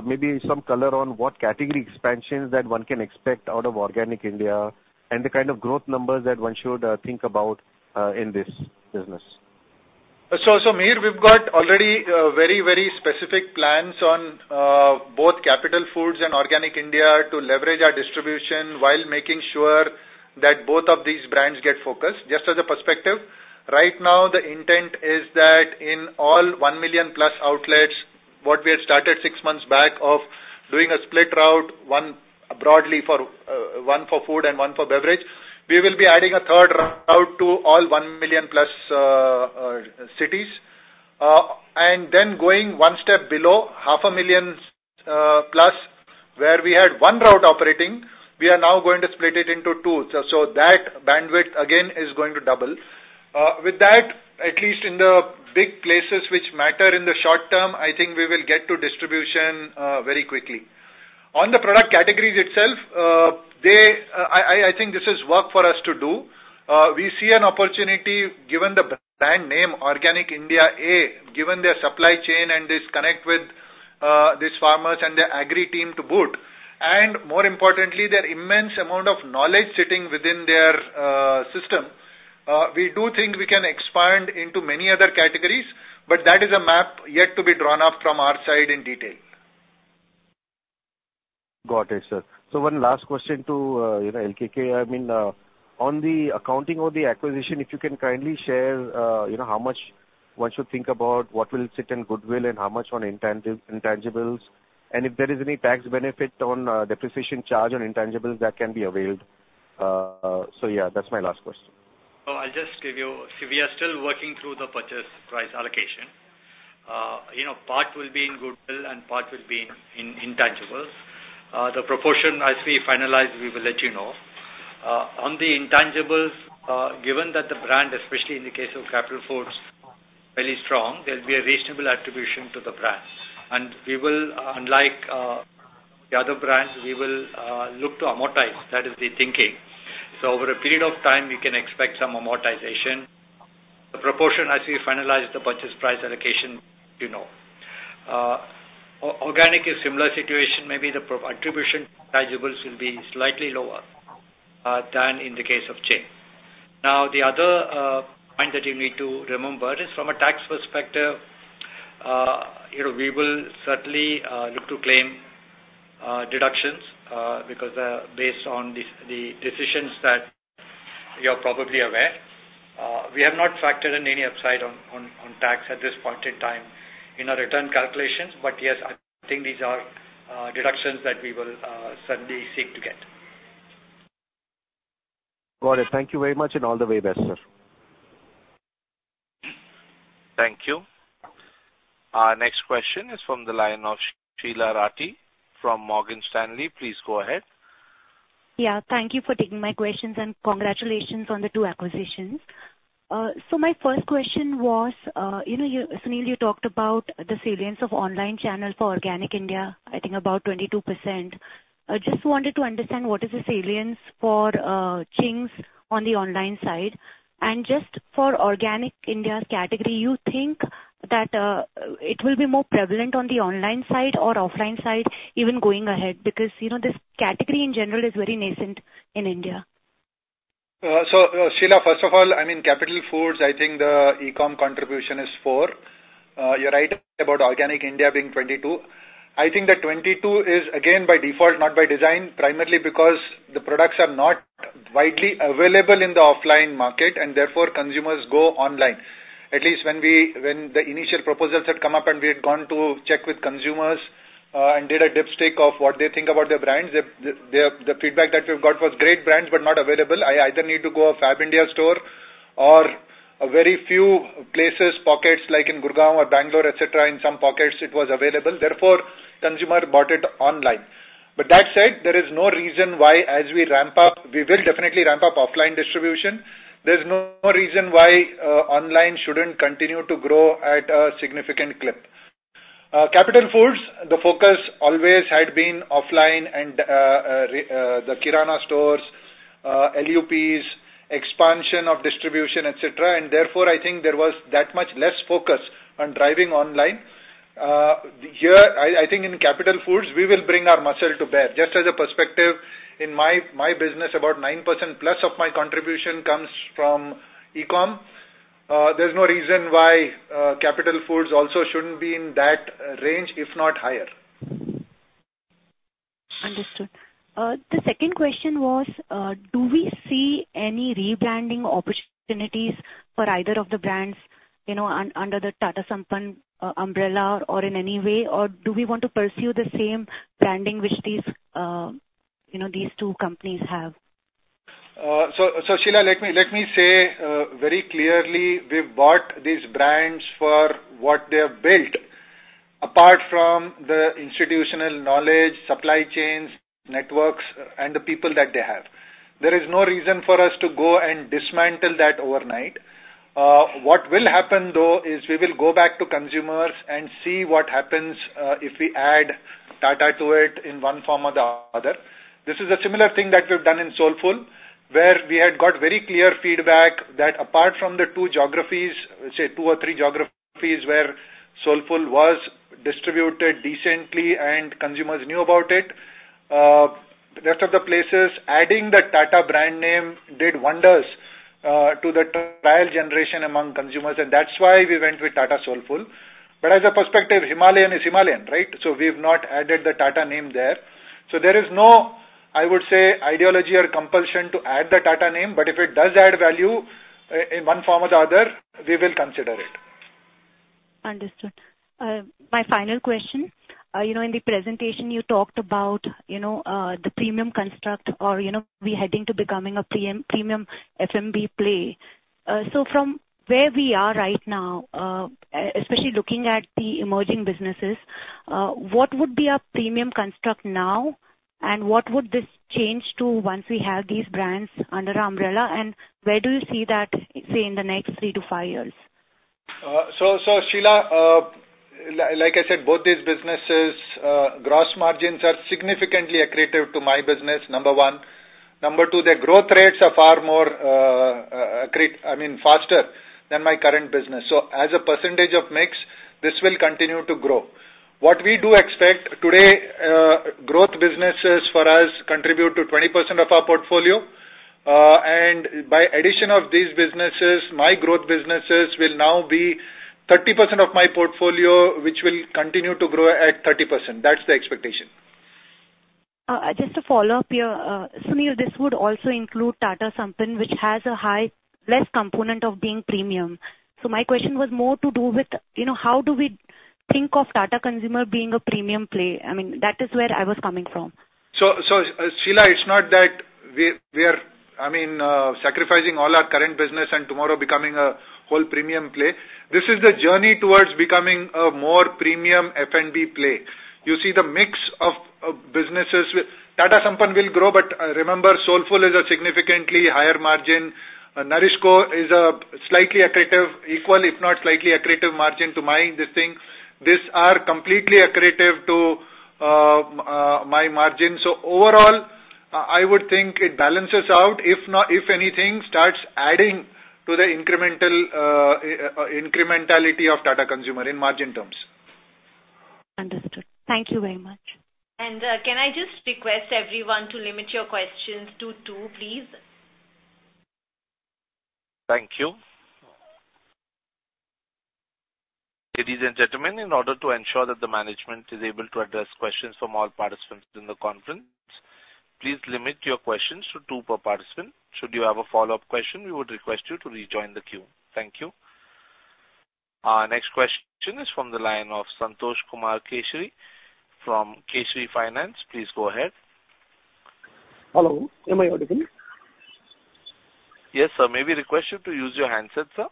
Maybe some color on what category expansions that one can expect out of Organic India and the kind of growth numbers that one should think about in this business. So, Mihir, we've got already very, very specific plans on both Capital Foods and Organic India to leverage our distribution while making sure that both of these brands get focused. Just as a perspective, right now, the intent is that in all 1 million+ outlets, what we had started six months back of doing a split route, one broadly for one for food and one for beverage, we will be adding a third route out to all 1 million+ cities. And then going one step below, 500,000+, where we had one route operating, we are now going to split it into two. So that bandwidth, again, is going to double. With that, at least in the big places which matter in the short term, I think we will get to distribution very quickly. On the product categories itself, I think this is work for us to do. We see an opportunity, given the brand name, Organic India, given their supply chain and this connect with these farmers and their agri team to boot, and more importantly, their immense amount of knowledge sitting within their system, we do think we can expand into many other categories, but that is a map yet to be drawn up from our side in detail. Got it, sir. So one last question to, you know, LKK. I mean, on the accounting or the acquisition, if you can kindly share, you know, how much one should think about what will sit in goodwill and how much on intangibles, and if there is any tax benefit on depreciation charge on intangibles that can be availed. So yeah, that's my last question. I'll just give you... We are still working through thepurchase price allocation. You know, part will be in goodwill, and part will be in intangibles. The proportion, as we finalize, we will let you know. On the intangibles, given that the brand, especially in the case of Capital Foods, fairly strong, there'll be a reasonable attribution to the brands. And we will, unlike the other brands, look to amortize. That is the thinking. So over a period of time, you can expect some amortization. The proportion, as we finalize the purchase price allocation, you know. Organic is similar situation. Maybe the proportion attribution intangibles will be slightly lower than in the case of Ching's. Now, the other point that you need to remember is from a tax perspective, you know, we will certainly look to claim deductions because based on the decisions that you're probably aware. We have not factored in any upside on tax at this point in time in our return calculations. But yes, I think these are deductions that we will certainly seek to get. Got it. Thank you very much, and all the best, sir. Thank you. Our next question is from the line of Sheela Rathi from Morgan Stanley. Please go ahead. Yeah, thank you for taking my questions, and congratulations on the two acquisitions. So my first question was, you know, you, Sunil, you talked about the salience of online channel for Organic India, I think about 22%. I just wanted to understand, what is the salience for, Ching's on the online side? And just for Organic India's category, you think that, it will be more prevalent on the online side or offline side, even going ahead? Because, you know, this category in general is very nascent in India. So, Sheela, first of all, I mean, Capital Foods, I think the e-com contribution is 4%. You're right about Organic India being 22%. I think the 22% is again, by default, not by design, primarily because the products are not widely available in the offline market, and therefore, consumers go online. At least when the initial proposals had come up and we had gone to check with consumers, and did a dipstick of what they think about their brands, the feedback that we've got was great brands, but not available. I either need to go to a Fabindia store or a very few places, pockets, like in Gurgaon or Bangalore, et cetera, in some pockets it was available. Therefore, consumers bought it online. But that said, there is no reason why as we ramp up, we will definitely ramp up offline distribution. There's no reason why online shouldn't continue to grow at a significant clip. Capital Foods, the focus always had been offline and the Kirana stores, LUPs, expansion of distribution, et cetera. Therefore, I think there was that much less focus on driving online. Here, I think in Capital Foods, we will bring our muscle to bear. Just as a perspective, in my business, about 9%+ of my contribution comes from e-com. There's no reason why Capital Foods also shouldn't be in that range, if not higher. Understood. The second question was: Do we see any rebranding opportunities for either of the brands, you know, under the Tata Sampann umbrella or in any way, or do we want to pursue the same branding which these, you know, these two companies have? So, so Sheela, let me, let me say very clearly, we've bought these brands for what they have built, apart from the institutional knowledge, supply chains, networks, and the people that they have. There is no reason for us to go and dismantle that overnight. What will happen, though, is we will go back to consumers and see what happens if we add Tata to it in one form or the other. This is a similar thing that we've done in Soulfull, where we had got very clear feedback that apart from the two geographies, say two or three geographies, where Soulfull was distributed decently and consumers knew about it, rest of the places, adding the Tata brand name did wonders to the trial generation among consumers, and that's why we went with Tata Soulfull. But as a perspective, Himalayan is Himalayan, right? So we've not added the Tata name there. So there is no, I would say, ideology or compulsion to add the Tata name, but if it does add value, in one form or the other, we will consider it. Understood. My final question: you know, in the presentation you talked about, you know, the premium construct or, you know, we heading to becoming a premium FMB play. So from where we are right now, especially looking at the emerging businesses, what would be our premium construct now, and what would this change to once we have these brands under our umbrella, and where do you see that, say, in the next three to five years? So, Sheela, like I said, both these businesses, gross margins are significantly accretive to my business, number one. Number two, their growth rates are far more, I mean, faster than my current business. So as a percentage of mix, this will continue to grow. What we do expect, today, growth businesses for us contribute to 20% of our portfolio, and by addition of these businesses, my growth businesses will now be 30% of my portfolio, which will continue to grow at 30%. That's the expectation. Just to follow up here, Sunil, this would also include Tata Sampann, which has a highless component of being premium. So my question was more to do with, you know, how do we think of Tata Consumer being a premium play? I mean, that is where I was coming from. So, Sheila, it's not that we are, I mean, sacrificing all our current business and tomorrow becoming a whole premium play. This is the journey towards becoming a more premium F&B play. You see the mix of businesses with... Tata Sampann will grow, but remember, Soulfull is a significantly higher margin. NourishCo is a slightly accretive, equal, if not slightly accretive margin to my distinct. These are completely accretive to my margin. So overall, I would think it balances out. If not, if anything, starts adding to the incremental incrementality of Tata Consumer in margin terms. Understood. Thank you very much. Can I just request everyone to limit your questions to two, please? Thank you. Ladies and gentlemen, in order to ensure that the management is able to address questions from all participants in the conference, please limit your questions to two per participant. Should you have a follow-up question, we would request you to rejoin the queue. Thank you. Our next question is from the line of Santosh Kumar Kesari from Kesari Finance. Please go ahead. Hello, am I audible? Yes, sir. May we request you to use your handset, sir?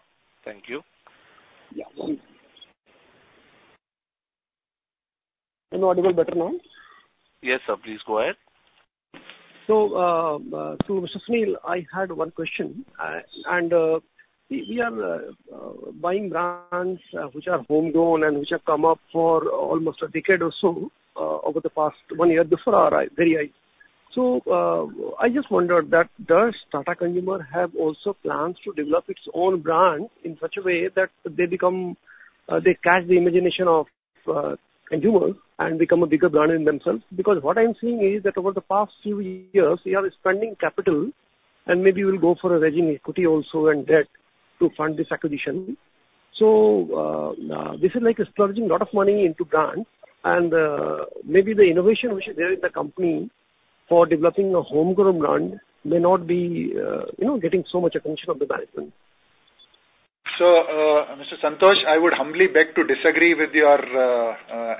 Thank you. Yeah. Am I audible better now? Yes, sir. Please go ahead. So, Sunil, I had one question, and we are buying brands which are home grown and which have come up for almost a decade or so over the past one year before our very eyes. So, I just wondered that does Tata Consumer have also plans to develop its own brand in such a way that they become they catch the imagination of consumers and become a bigger brand in themselves? Because what I'm seeing is that over the past few years, we are spending capital, and maybe we'll go for a raising equity also and debt to fund this acquisition. This is like splurging a lot of money into brands, and maybe the innovation which is there in the company for developing a home-grown brand may not be, you know, getting so much attention of the management. Mr. Santosh, I would humbly beg to disagree with your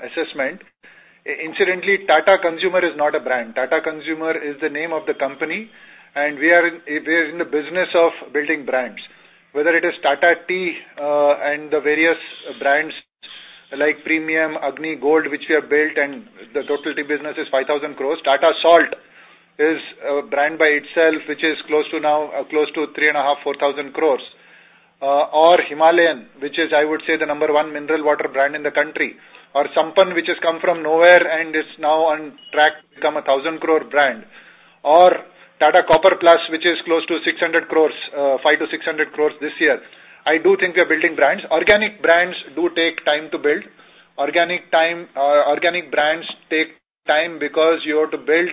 assessment. Incidentally, Tata Consumer is not a brand. Tata Consumer is the name of the company, and we are in the business of building brands. Whether it is Tata Tea, and the various brands like Premium, Agni, Gold, which we have built, and the total tea business is 5,000 crore. Tata Salt is a brand by itself, which is close to 3,500 crore-4,000 crore, or Himalayan, which is, I would say, the number one mineral water brand in the country, or Sampann, which has come from nowhere and is now on track to become a 1,000 crore brand, or Tata Copper Plus, which is close to 600 crore, 500 crore-600 crore this year. I do think we're building brands. Organic brands do take time to build. Organic brands take time because you have to build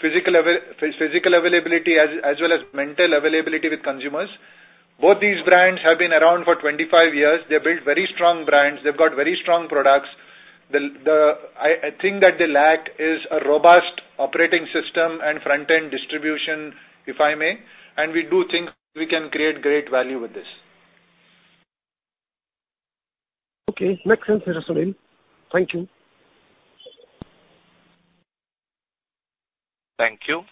physical availability as well as mental availability with consumers. Both these brands have been around for 25 years. They've built very strong brands. They've got very strong products. I think that the lag is a robust operating system and front-end distribution, if I may, and we do think we can create great value with this. Okay, makes sense, Sunil. Thank you. Thank you.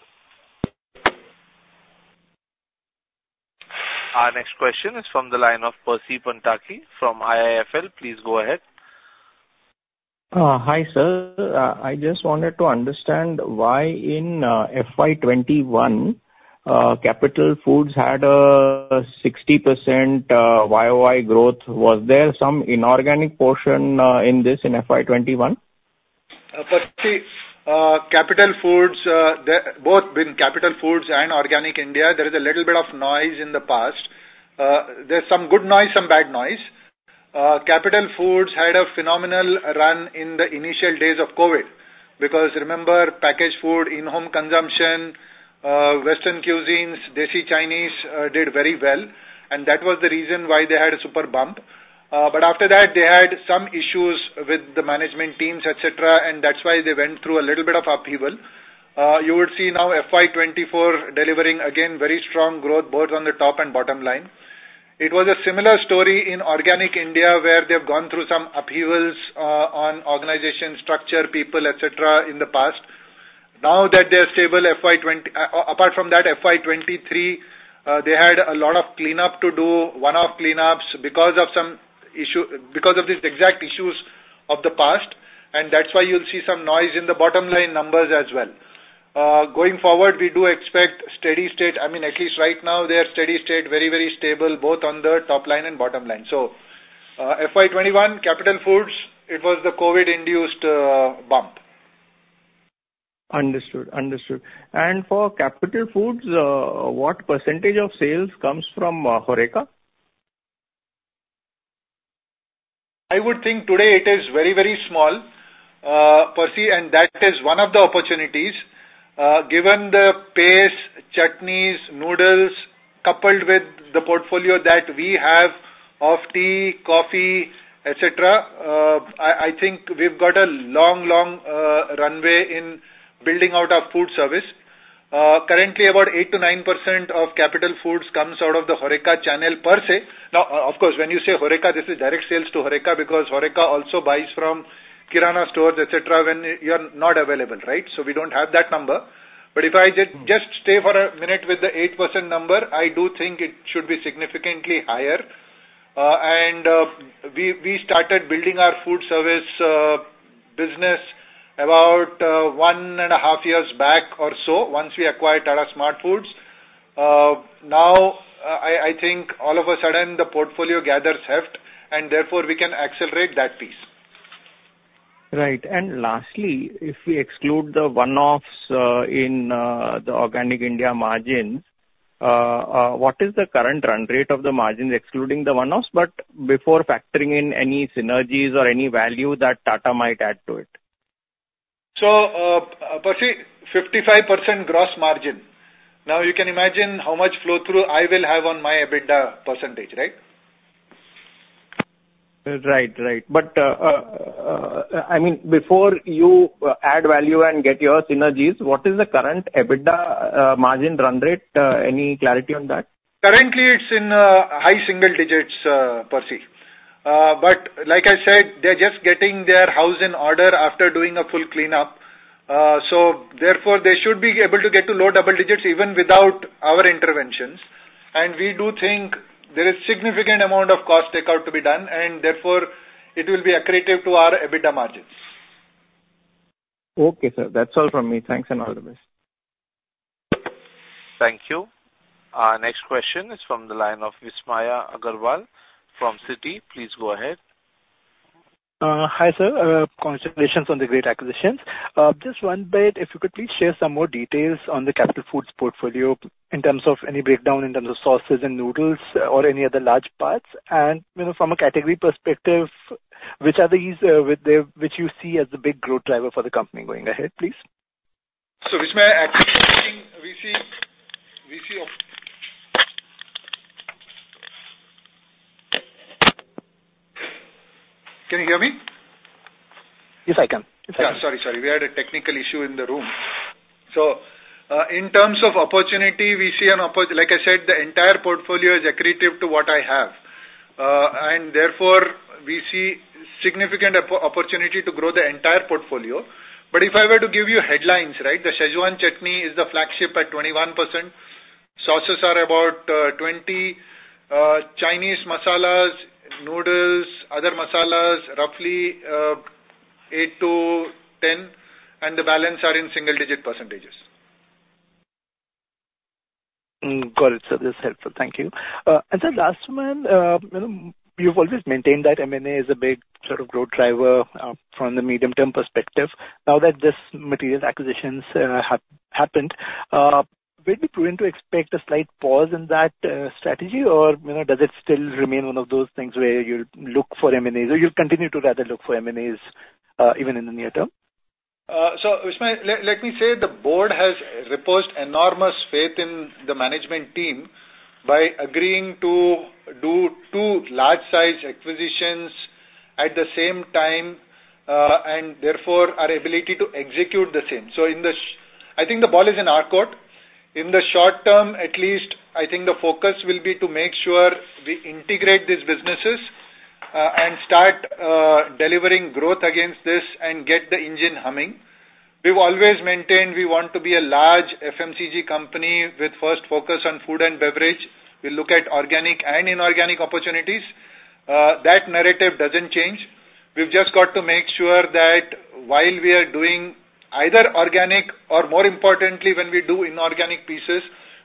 Our next question is from the line of Percy Panthaki from IIFL. Please go ahead. Hi, sir. I just wanted to understand why in FY 2021, Capital Foods had a 60% YoY growth. Was there some inorganic portion in this in FY 2021? Percy, Capital Foods, both in Capital Foods and Organic India, there is a little bit of noise in the past. There's some good noise, some bad noise. Capital Foods had a phenomenal run in the initial days of COVID, because remember, packaged food, in-home consumption, Western cuisines, Desi Chinese, did very well, and that was the reason why they had a super bump. But after that, they had some issues with the management teams, et cetera, and that's why they went through a little bit of upheaval. You would see now FY 2024 delivering, again, very strong growth, both on the top and bottom line. It was a similar story in Organic India, where they've gone through some upheavals, on organization, structure, people, et cetera, in the past. Now that they are stable, FY 2023, apart from that, FY 2023, they had a lot of cleanup to do, one-off cleanups because of these exact issues of the past, and that's why you'll see some noise in the bottom line numbers as well. Going forward, we do expect steady state. I mean, at least right now, they are steady state, very, very stable, both on the top line and bottom line. So, FY 2021, Capital Foods, it was the COVID-induced bump. Understood. Understood. And for Capital Foods, what percentage of sales comes from HoReCa? I would think today it is very, very small, Percy, and that is one of the opportunities. Given the pace, chutneys, noodles, coupled with the portfolio that we have of tea, coffee, et cetera, I think we've got a long, long runway in building out our food service. Currently, about 8%-9% of Capital Foods comes out of the HoReCa channel per se. Now, of course, when you say HoReCa, this is direct sales to HoReCa, because HoReCa also buys from Kirana stores, et cetera, when you're not available, right? So we don't have that number. But if I just stay for a minute with the 8% number, I do think it should be significantly higher. We started building our food service business about one and a half years back or so, once we acquired Tata SmartFoodz. Now, I think all of a sudden, the portfolio gathers heft, and therefore, we can accelerate that piece. Right. And lastly, if we exclude the one-offs, in the Organic India margins, what is the current run rate of the margins, excluding the one-offs, but before factoring in any synergies or any value that Tata might add to it? Percy, 55% gross margin. Now, you can imagine how much flow-through I will have on my EBITDA percentage, right? Right. Right. But, I mean, before you add value and get your synergies, what is the current EBITDA margin run rate? Any clarity on that? Currently, it's in high single digits, Percy. But like I said, they're just getting their house in order after doing a full cleanup. So therefore, they should be able to get to low double digits even without our interventions. And we do think there is significant amount of cost takeout to be done, and therefore, it will be accretive to our EBITDA margins. Okay, sir. That's all from me. Thanks and all the best. Thank you. Our next question is from the line of Vismaya Agarwal from Citi. Please go ahead. Hi, sir. Congratulations on the great acquisitions. Just one bit, if you could please share some more details on the Capital Foods portfolio in terms of any breakdown, in terms of sauces and noodles or any other large parts, and, you know, from a category perspective, which are these, which you see as the big growth driver for the company going ahead, please? So, Vismaya, actually, we see... Can you hear me? Yes, I can. Yeah, sorry, sorry. We had a technical issue in the room. So, in terms of opportunity, we see an opportunity—like I said, the entire portfolio is accretive to what I have. And therefore, we see significant opportunity to grow the entire portfolio. But if I were to give you headlines, right, the Schezwan chutney is the flagship at 21%. Sauces are about 20%, Chinese masalas, noodles, other masalas roughly 8%-10%, and the balance are in single-digit percentages. Got it, sir. This is helpful. Thank you. And then last one, you know, you've always maintained that M&A is a big sort of growth driver, from the medium-term perspective. Now that these material acquisitions have happened, will we be prudent to expect a slight pause in that strategy, or, you know, does it still remain one of those things where you'll look for M&As, or you'll continue to rather look for M&As, even in the near term? So Vismaya, let me say, the board has reposed enormous faith in the management team by agreeing to do two large-size acquisitions at the same time, and therefore, our ability to execute the same. So in this, I think the ball is in our court. In the short term, at least, I think the focus will be to make sure we integrate these businesses, and start delivering growth against this and get the engine humming. We've always maintained we want to be a large FMCG company with first focus on food and beverage. We look at organic and inorganic opportunities. That narrative doesn't change. We've just got to make sure that while we are doing either organic or, more importantly, when we do inorganic pieces,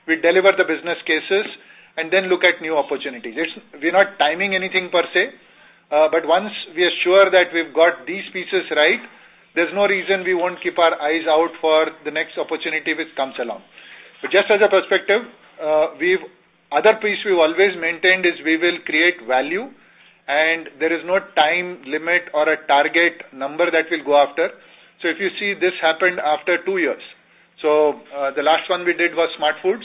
we deliver the business cases and then look at new opportunities. We're not timing anything per se, but once we are sure that we've got these pieces right, there's no reason we won't keep our eyes out for the next opportunity which comes along. But just as a perspective, we've... Other piece we've always maintained is we will create value, and there is no time limit or a target number that we'll go after. So if you see, this happened after two years. So, the last one we did was SmartFoodz.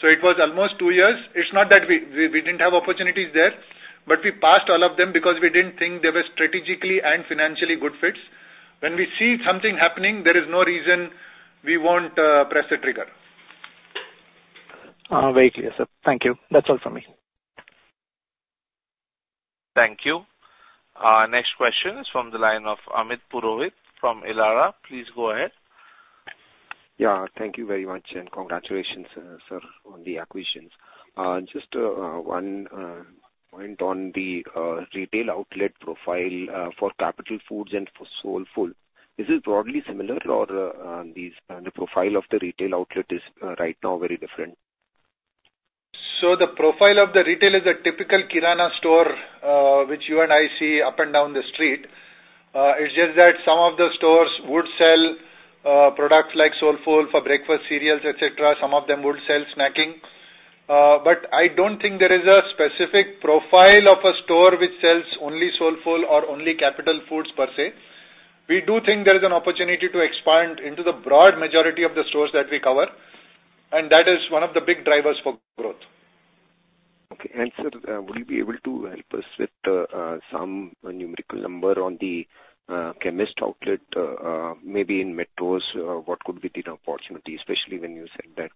So it was almost two years. It's not that we, we didn't have opportunities there, but we passed all of them because we didn't think they were strategically and financially good fits. When we see something happening, there is no reason we won't, press the trigger. Very clear, sir. Thank you. That's all from me. Thank you. Next question is from the line of Amit Purohit from Elara. Please go ahead. Yeah, thank you very much, and congratulations, sir, on the acquisitions. Just one point on the retail outlet profile for Capital Foods and for Soulfull. Is it broadly similar or are these the profile of the retail outlet right now very different? So the profile of the retail is a typical Kirana store, which you and I see up and down the street. It's just that some of the stores would sell products like Soulfull for breakfast cereals, et cetera. Some of them would sell snacking. But I don't think there is a specific profile of a store which sells only Soulfull or only Capital Foods per se. We do think there is an opportunity to expand into the broad majority of the stores that we cover, and that is one of the big drivers for growth. Okay. Sir, will you be able to help us with some numerical number on the chemist outlet, maybe in metros, what could be the opportunity, especially when you said that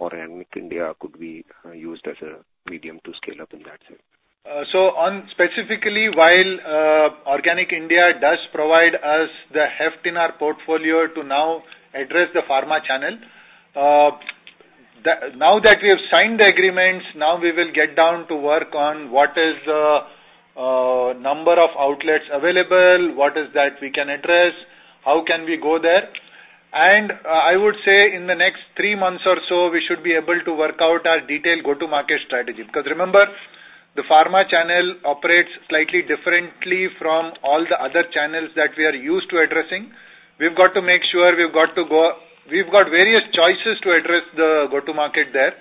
Organic India could be used as a medium to scale up in that sense? So on specifically, while Organic India does provide us the heft in our portfolio to now address the pharma channel, now that we have signed the agreements, now we will get down to work on what is the number of outlets available, what is that we can address, how can we go there? And I would say in the next three months or so, we should be able to work out our detailed go-to-market strategy. Because remember, the pharma channel operates slightly differently from all the other channels that we are used to addressing. We've got to make sure we've got various choices to address the go-to-market there.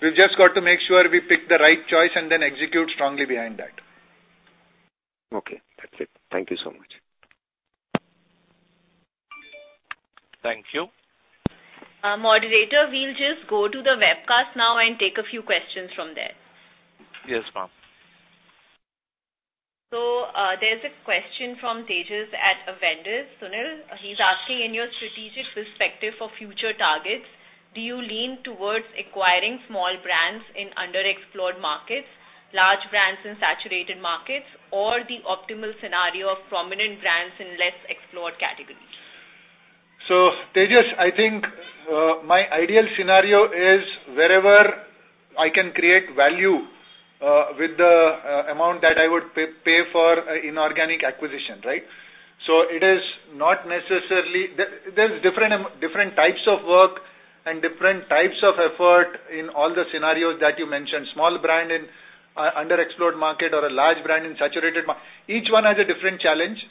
We've just got to make sure we pick the right choice and then execute strongly behind that. Okay, that's it. Thank you so much. Thank you. Moderator, we'll just go to the webcast now and take a few questions from there. Yes, ma'am. There's a question from Tejas at Avendus, Sunil. He's asking: In your strategic perspective for future targets, do you lean towards acquiring small brands in underexplored markets, large brands in saturated markets, or the optimal scenario of prominent brands in less explored categories? So, Tejas, I think, my ideal scenario is wherever I can create value, with the amount that I would pay for inorganic acquisition, right? So it is not necessarily... There's different, different types of work and different types of effort in all the scenarios that you mentioned. Small brand in underexplored market or a large brand in saturated market. Each one has a different challenge.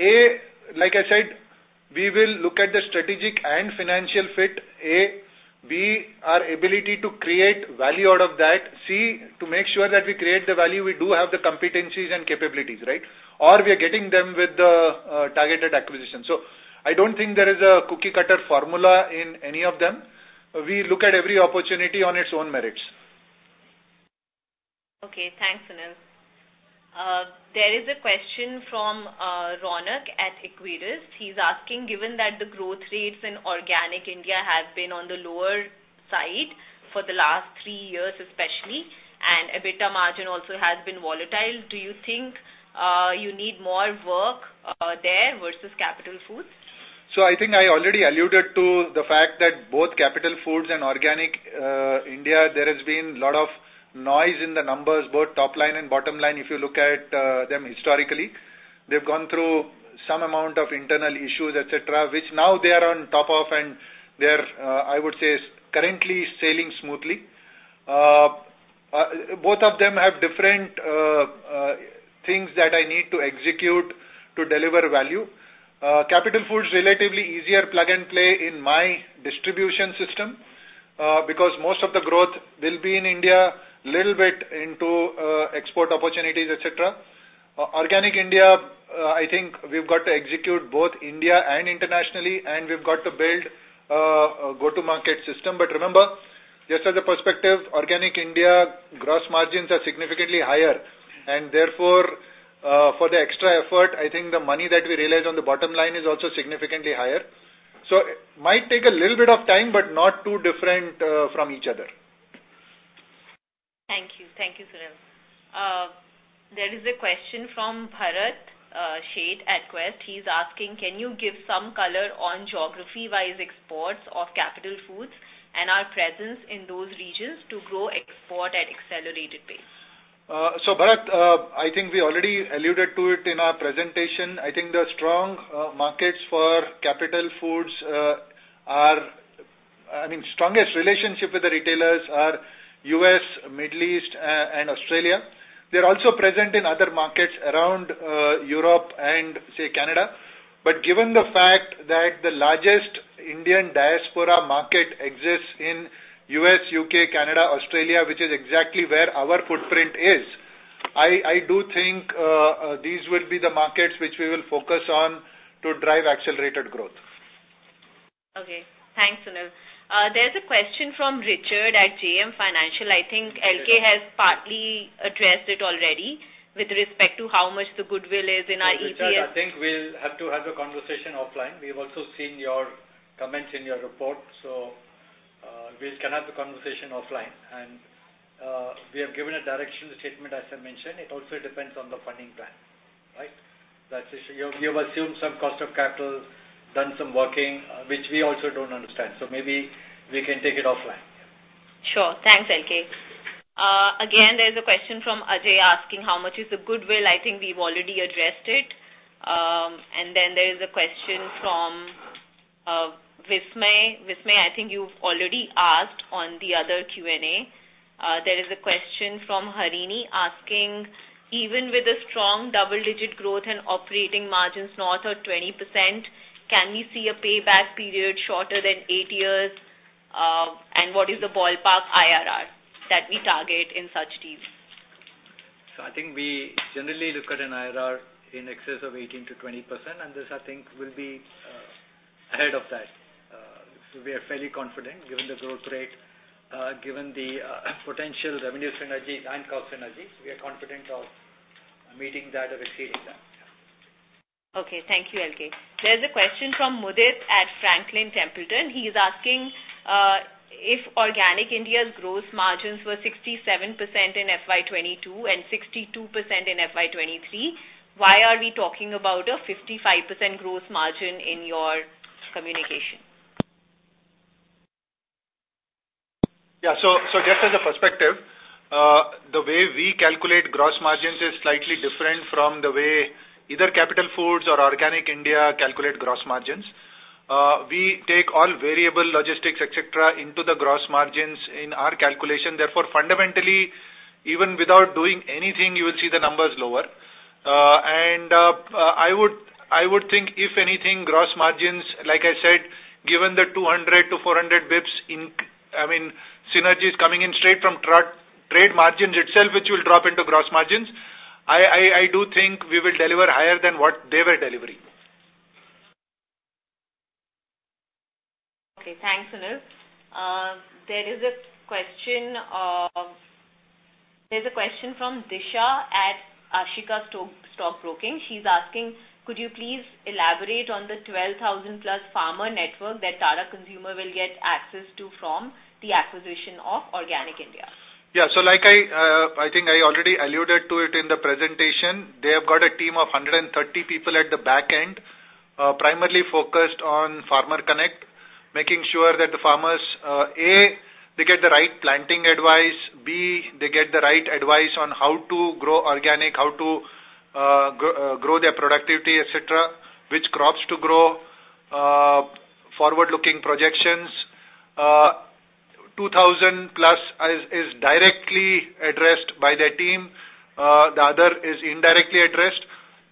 A, like I said, we will look at the strategic and financial fit, A. B, our ability to create value out of that. C, to make sure that we create the value, we do have the competencies and capabilities, right? Or we are getting them with the targeted acquisition. So I don't think there is a cookie-cutter formula in any of them. We look at every opportunity on its own merits. Okay, thanks, Sunil. There is a question from Ronak at Equirus. He's asking: Given that the growth rates in Organic India have been on the lower side for the last three years, especially, and EBITDA margin also has been volatile, do you think you need more work there versus Capital Foods? So I think I already alluded to the fact that both Capital Foods and Organic India, there has been a lot of noise in the numbers, both top line and bottom line, if you look at them historically. They've gone through some amount of internal issues, et cetera, which now they are on top of, and they are, I would say, is currently sailing smoothly. Both of them have different things that I need to execute to deliver value. Capital Foods, relatively easier plug-and-play in my distribution system, because most of the growth will be in India, little bit into export opportunities, et cetera. Organic India, I think we've got to execute both India and internationally, and we've got to build a go-to-market system. But remember, just as a perspective, Organic India gross margins are significantly higher, and therefore, for the extra effort, I think the money that we realize on the bottom line is also significantly higher. So it might take a little bit of time, but not too different, from each other. Thank you. Thank you, Sunil. There is a question from Bharat Sheth at Quest. He's asking: Can you give some color on geography-wise exports of Capital Foods and our presence in those regions to grow export at accelerated pace? So Bharat, I think we already alluded to it in our presentation. I think the strong markets for Capital Foods are, I mean, strongest relationship with the retailers are U.S., Middle East, and Australia. They're also present in other markets around Europe and, say, Canada. But given the fact that the largest Indian diaspora market exists in U.S., U.K., Canada, Australia, which is exactly where our footprint is, I, I do think these will be the markets which we will focus on to drive accelerated growth. Okay. Thanks, Sunil. There's a question from Richard at JM Financial. I think LK has partly addressed it already with respect to how much the goodwill is in our EPS. Richard, I think we'll have to have a conversation offline. We've also seen your comments in your report, so, we can have the conversation offline. And, we have given a direction statement, as I mentioned. It also depends on the funding plan, right? That is, you, you have assumed some cost of capital, done some working, which we also don't understand, so maybe we can take it offline. Sure. Thanks, LK. Again, there's a question from Ajay asking how much is the goodwill. I think we've already addressed it. And then there is a question from Vismay. Vismay, I think you've already asked on the other Q&A. There is a question from Harini asking, "Even with a strong double-digit growth and operating margins north of 20%, can we see a payback period shorter than eight years? And what is the ballpark IRR that we target in such deals? I think we generally look at an IRR in excess of 18%-20%, and this, I think, will be ahead of that. So we are fairly confident, given the growth rate, given the potential revenue synergies and cost synergies, we are confident of meeting that or exceeding that. Okay, thank you, LK. There's a question from Mudit at Franklin Templeton. He's asking if Organic India's gross margins were 67% in FY 2022 and 62% in FY 2023, why are we talking about a 55% gross margin in your communication? Yeah, so just as a perspective, the way we calculate gross margins is slightly different from the way either Capital Foods or Organic India calculate gross margins. We take all variable logistics, et cetera, into the gross margins in our calculation. Therefore, fundamentally, even without doing anything, you will see the numbers lower. And I would think, if anything, gross margins, like I said, given the 200-400 basis points—I mean, synergies coming in straight from trade margins itself, which will drop into gross margins, I do think we will deliver higher than what they were delivering. Okay, thanks, Sunil. There is a question. There's a question from Disha at Ashika Stock Broking. She's asking, could you please elaborate on the 12,000+ farmer network that Tata Consumer will get access to from the acquisition of Organic India? Yeah, so like I, I think I already alluded to it in the presentation, they have got a team of 130 people at the back end, primarily focused on farmer connect, making sure that the farmers, A, they get the right planting advice, B, they get the right advice on how to grow organic, how to grow their productivity, et cetera, which crops to grow, forward-looking projections. 2,000+ is directly addressed by their team, the other is indirectly addressed.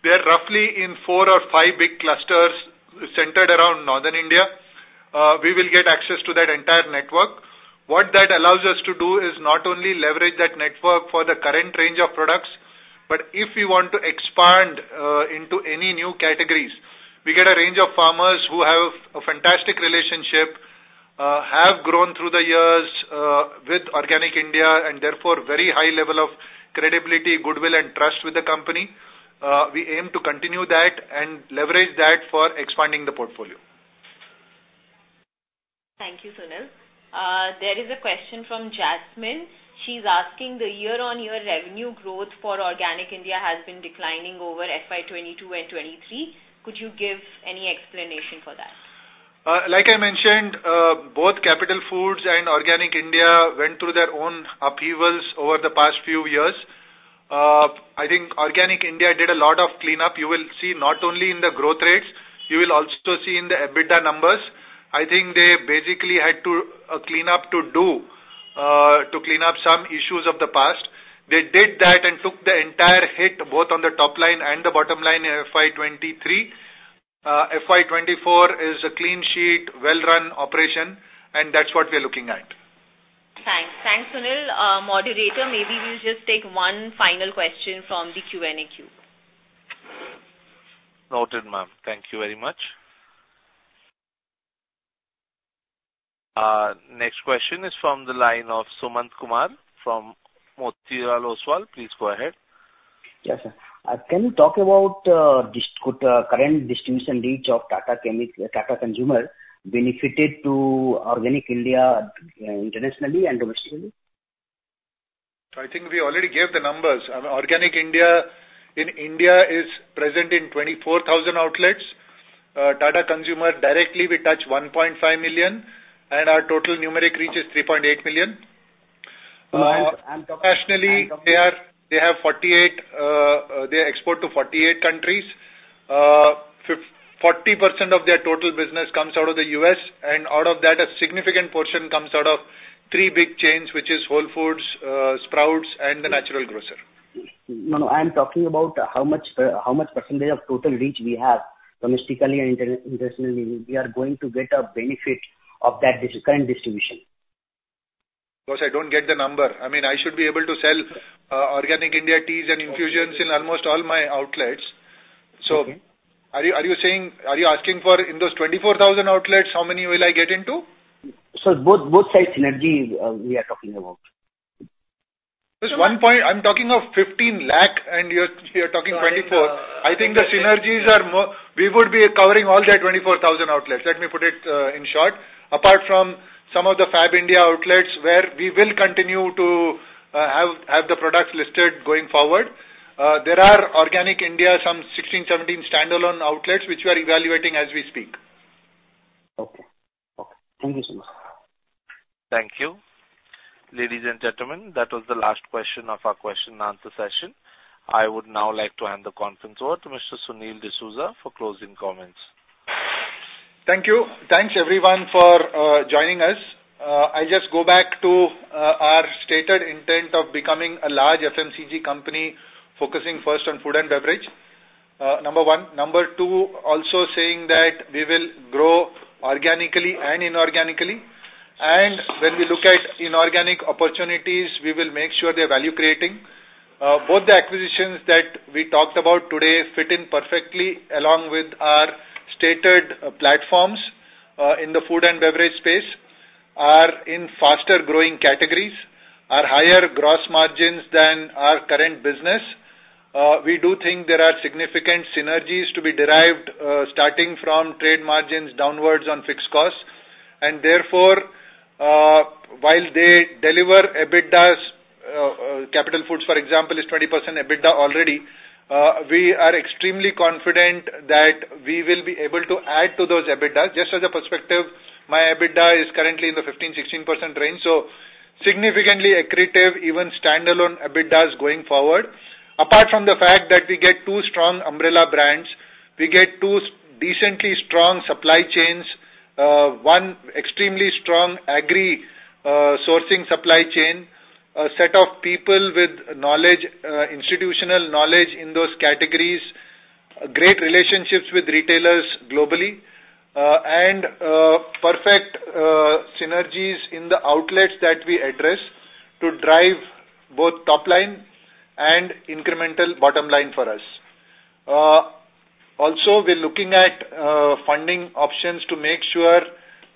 They're roughly in four or five big clusters centered around Northern India. We will get access to that entire network. What that allows us to do is not only leverage that network for the current range of products, but if we want to expand into any new categories, we get a range of farmers who have a fantastic relationship, have grown through the years with Organic India, and therefore, very high level of credibility, goodwill, and trust with the company. We aim to continue that and leverage that for expanding the portfolio. Thank you, Sunil. There is a question from Jasmine. She's asking: The year-on-year revenue growth for Organic India has been declining over FY 2022 and 2023. Could you give any explanation for that? Like I mentioned, both Capital Foods and Organic India went through their own upheavals over the past few years. I think Organic India did a lot of cleanup. You will see not only in the growth rates, you will also see in the EBITDA numbers. I think they basically had to a cleanup to do, to clean up some issues of the past. They did that and took the entire hit, both on the top line and the bottom line in FY 2023. FY 2024 is a clean sheet, well-run operation, and that's what we're looking at. Thanks. Thanks, Sunil. Moderator, maybe we'll just take one final question from the Q&A queue. Noted, ma'am. Thank you very much. Next question is from the line of Sumant Kumar from Motilal Oswal. Please go ahead. Yes, sir. Can you talk about current distribution reach of Tata Consumer benefited to Organic India, internationally and domestically? I think we already gave the numbers. I mean, Organic India, in India, is present in 24,000 outlets. Tata Consumer, directly, we touch 1.5 million, and our total numeric reach is 3.8 million. I'm talking- Internationally, they have 48, they export to 48 countries. 40% of their total business comes out of the U.S., and out of that, a significant portion comes out of three big chains, which is Whole Foods, Sprouts, and The Natural Grocer. No, no, I'm talking about how much, how much percentage of total reach we have domestically and internationally, we are going to get a benefit of that current distribution. Of course, I don't get the number. I mean, I should be able to sell Organic India teas and infusions in almost all my outlets. Okay. So are you, are you saying... Are you asking for, in those 24,000 outlets, how many will I get into? Both sides synergy, we are talking about. Just one point, I'm talking of 15 lakh, and you're talking 24 lakh. Sorry, uh, I think the synergies are more. We would be covering all the 24,000 outlets. Let me put it in short. Apart from some of the Fabindia outlets, where we will continue to have the products listed going forward, there are Organic India some 16, 17 standalone outlets, which we are evaluating as we speak. Okay. Okay. Thank you so much. Thank you. Ladies and gentlemen, that was the last question of our question and answer session. I would now like to hand the conference over to Mr. Sunil D'Souza for closing comments. Thank you. Thanks, everyone, for joining us. I'll just go back to our stated intent of becoming a large FMCG company, focusing first on food and beverage, number one. Number two, also saying that we will grow organically and inorganically, and when we look at inorganic opportunities, we will make sure they're value-creating. Both the acquisitions that we talked about today fit in perfectly along with our stated platforms in the food and beverage space, are in faster-growing categories, are higher gross margins than our current business. We do think there are significant synergies to be derived, starting from trade margins downwards on fixed costs, and therefore, while they deliver EBITDAs, Capital Foods, for example, is 20% EBITDA already. We are extremely confident that we will be able to add to those EBITDAs. Just as a perspective, my EBITDA is currently in the 15%-16% range, so significantly accretive, even standalone EBITDA going forward. Apart from the fact that we get two strong umbrella brands, we get two decently strong supply chains, one extremely strong agri sourcing supply chain, a set of people with knowledge, institutional knowledge in those categories, great relationships with retailers globally, and perfect synergies in the outlets that we address to drive both top line and incremental bottom line for us. Also, we're looking at funding options to make sure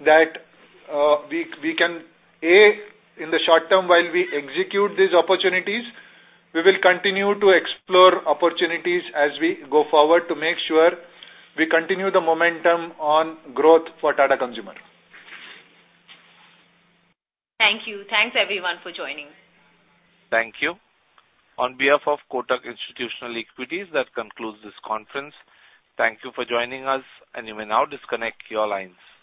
that we can, in the short term, while we execute these opportunities, we will continue to explore opportunities as we go forward to make sure we continue the momentum on growth for Tata Consumer. Thank you. Thanks, everyone, for joining. Thank you. On behalf of Kotak Institutional Equities, that concludes this conference. Thank you for joining us, and you may now disconnect your lines.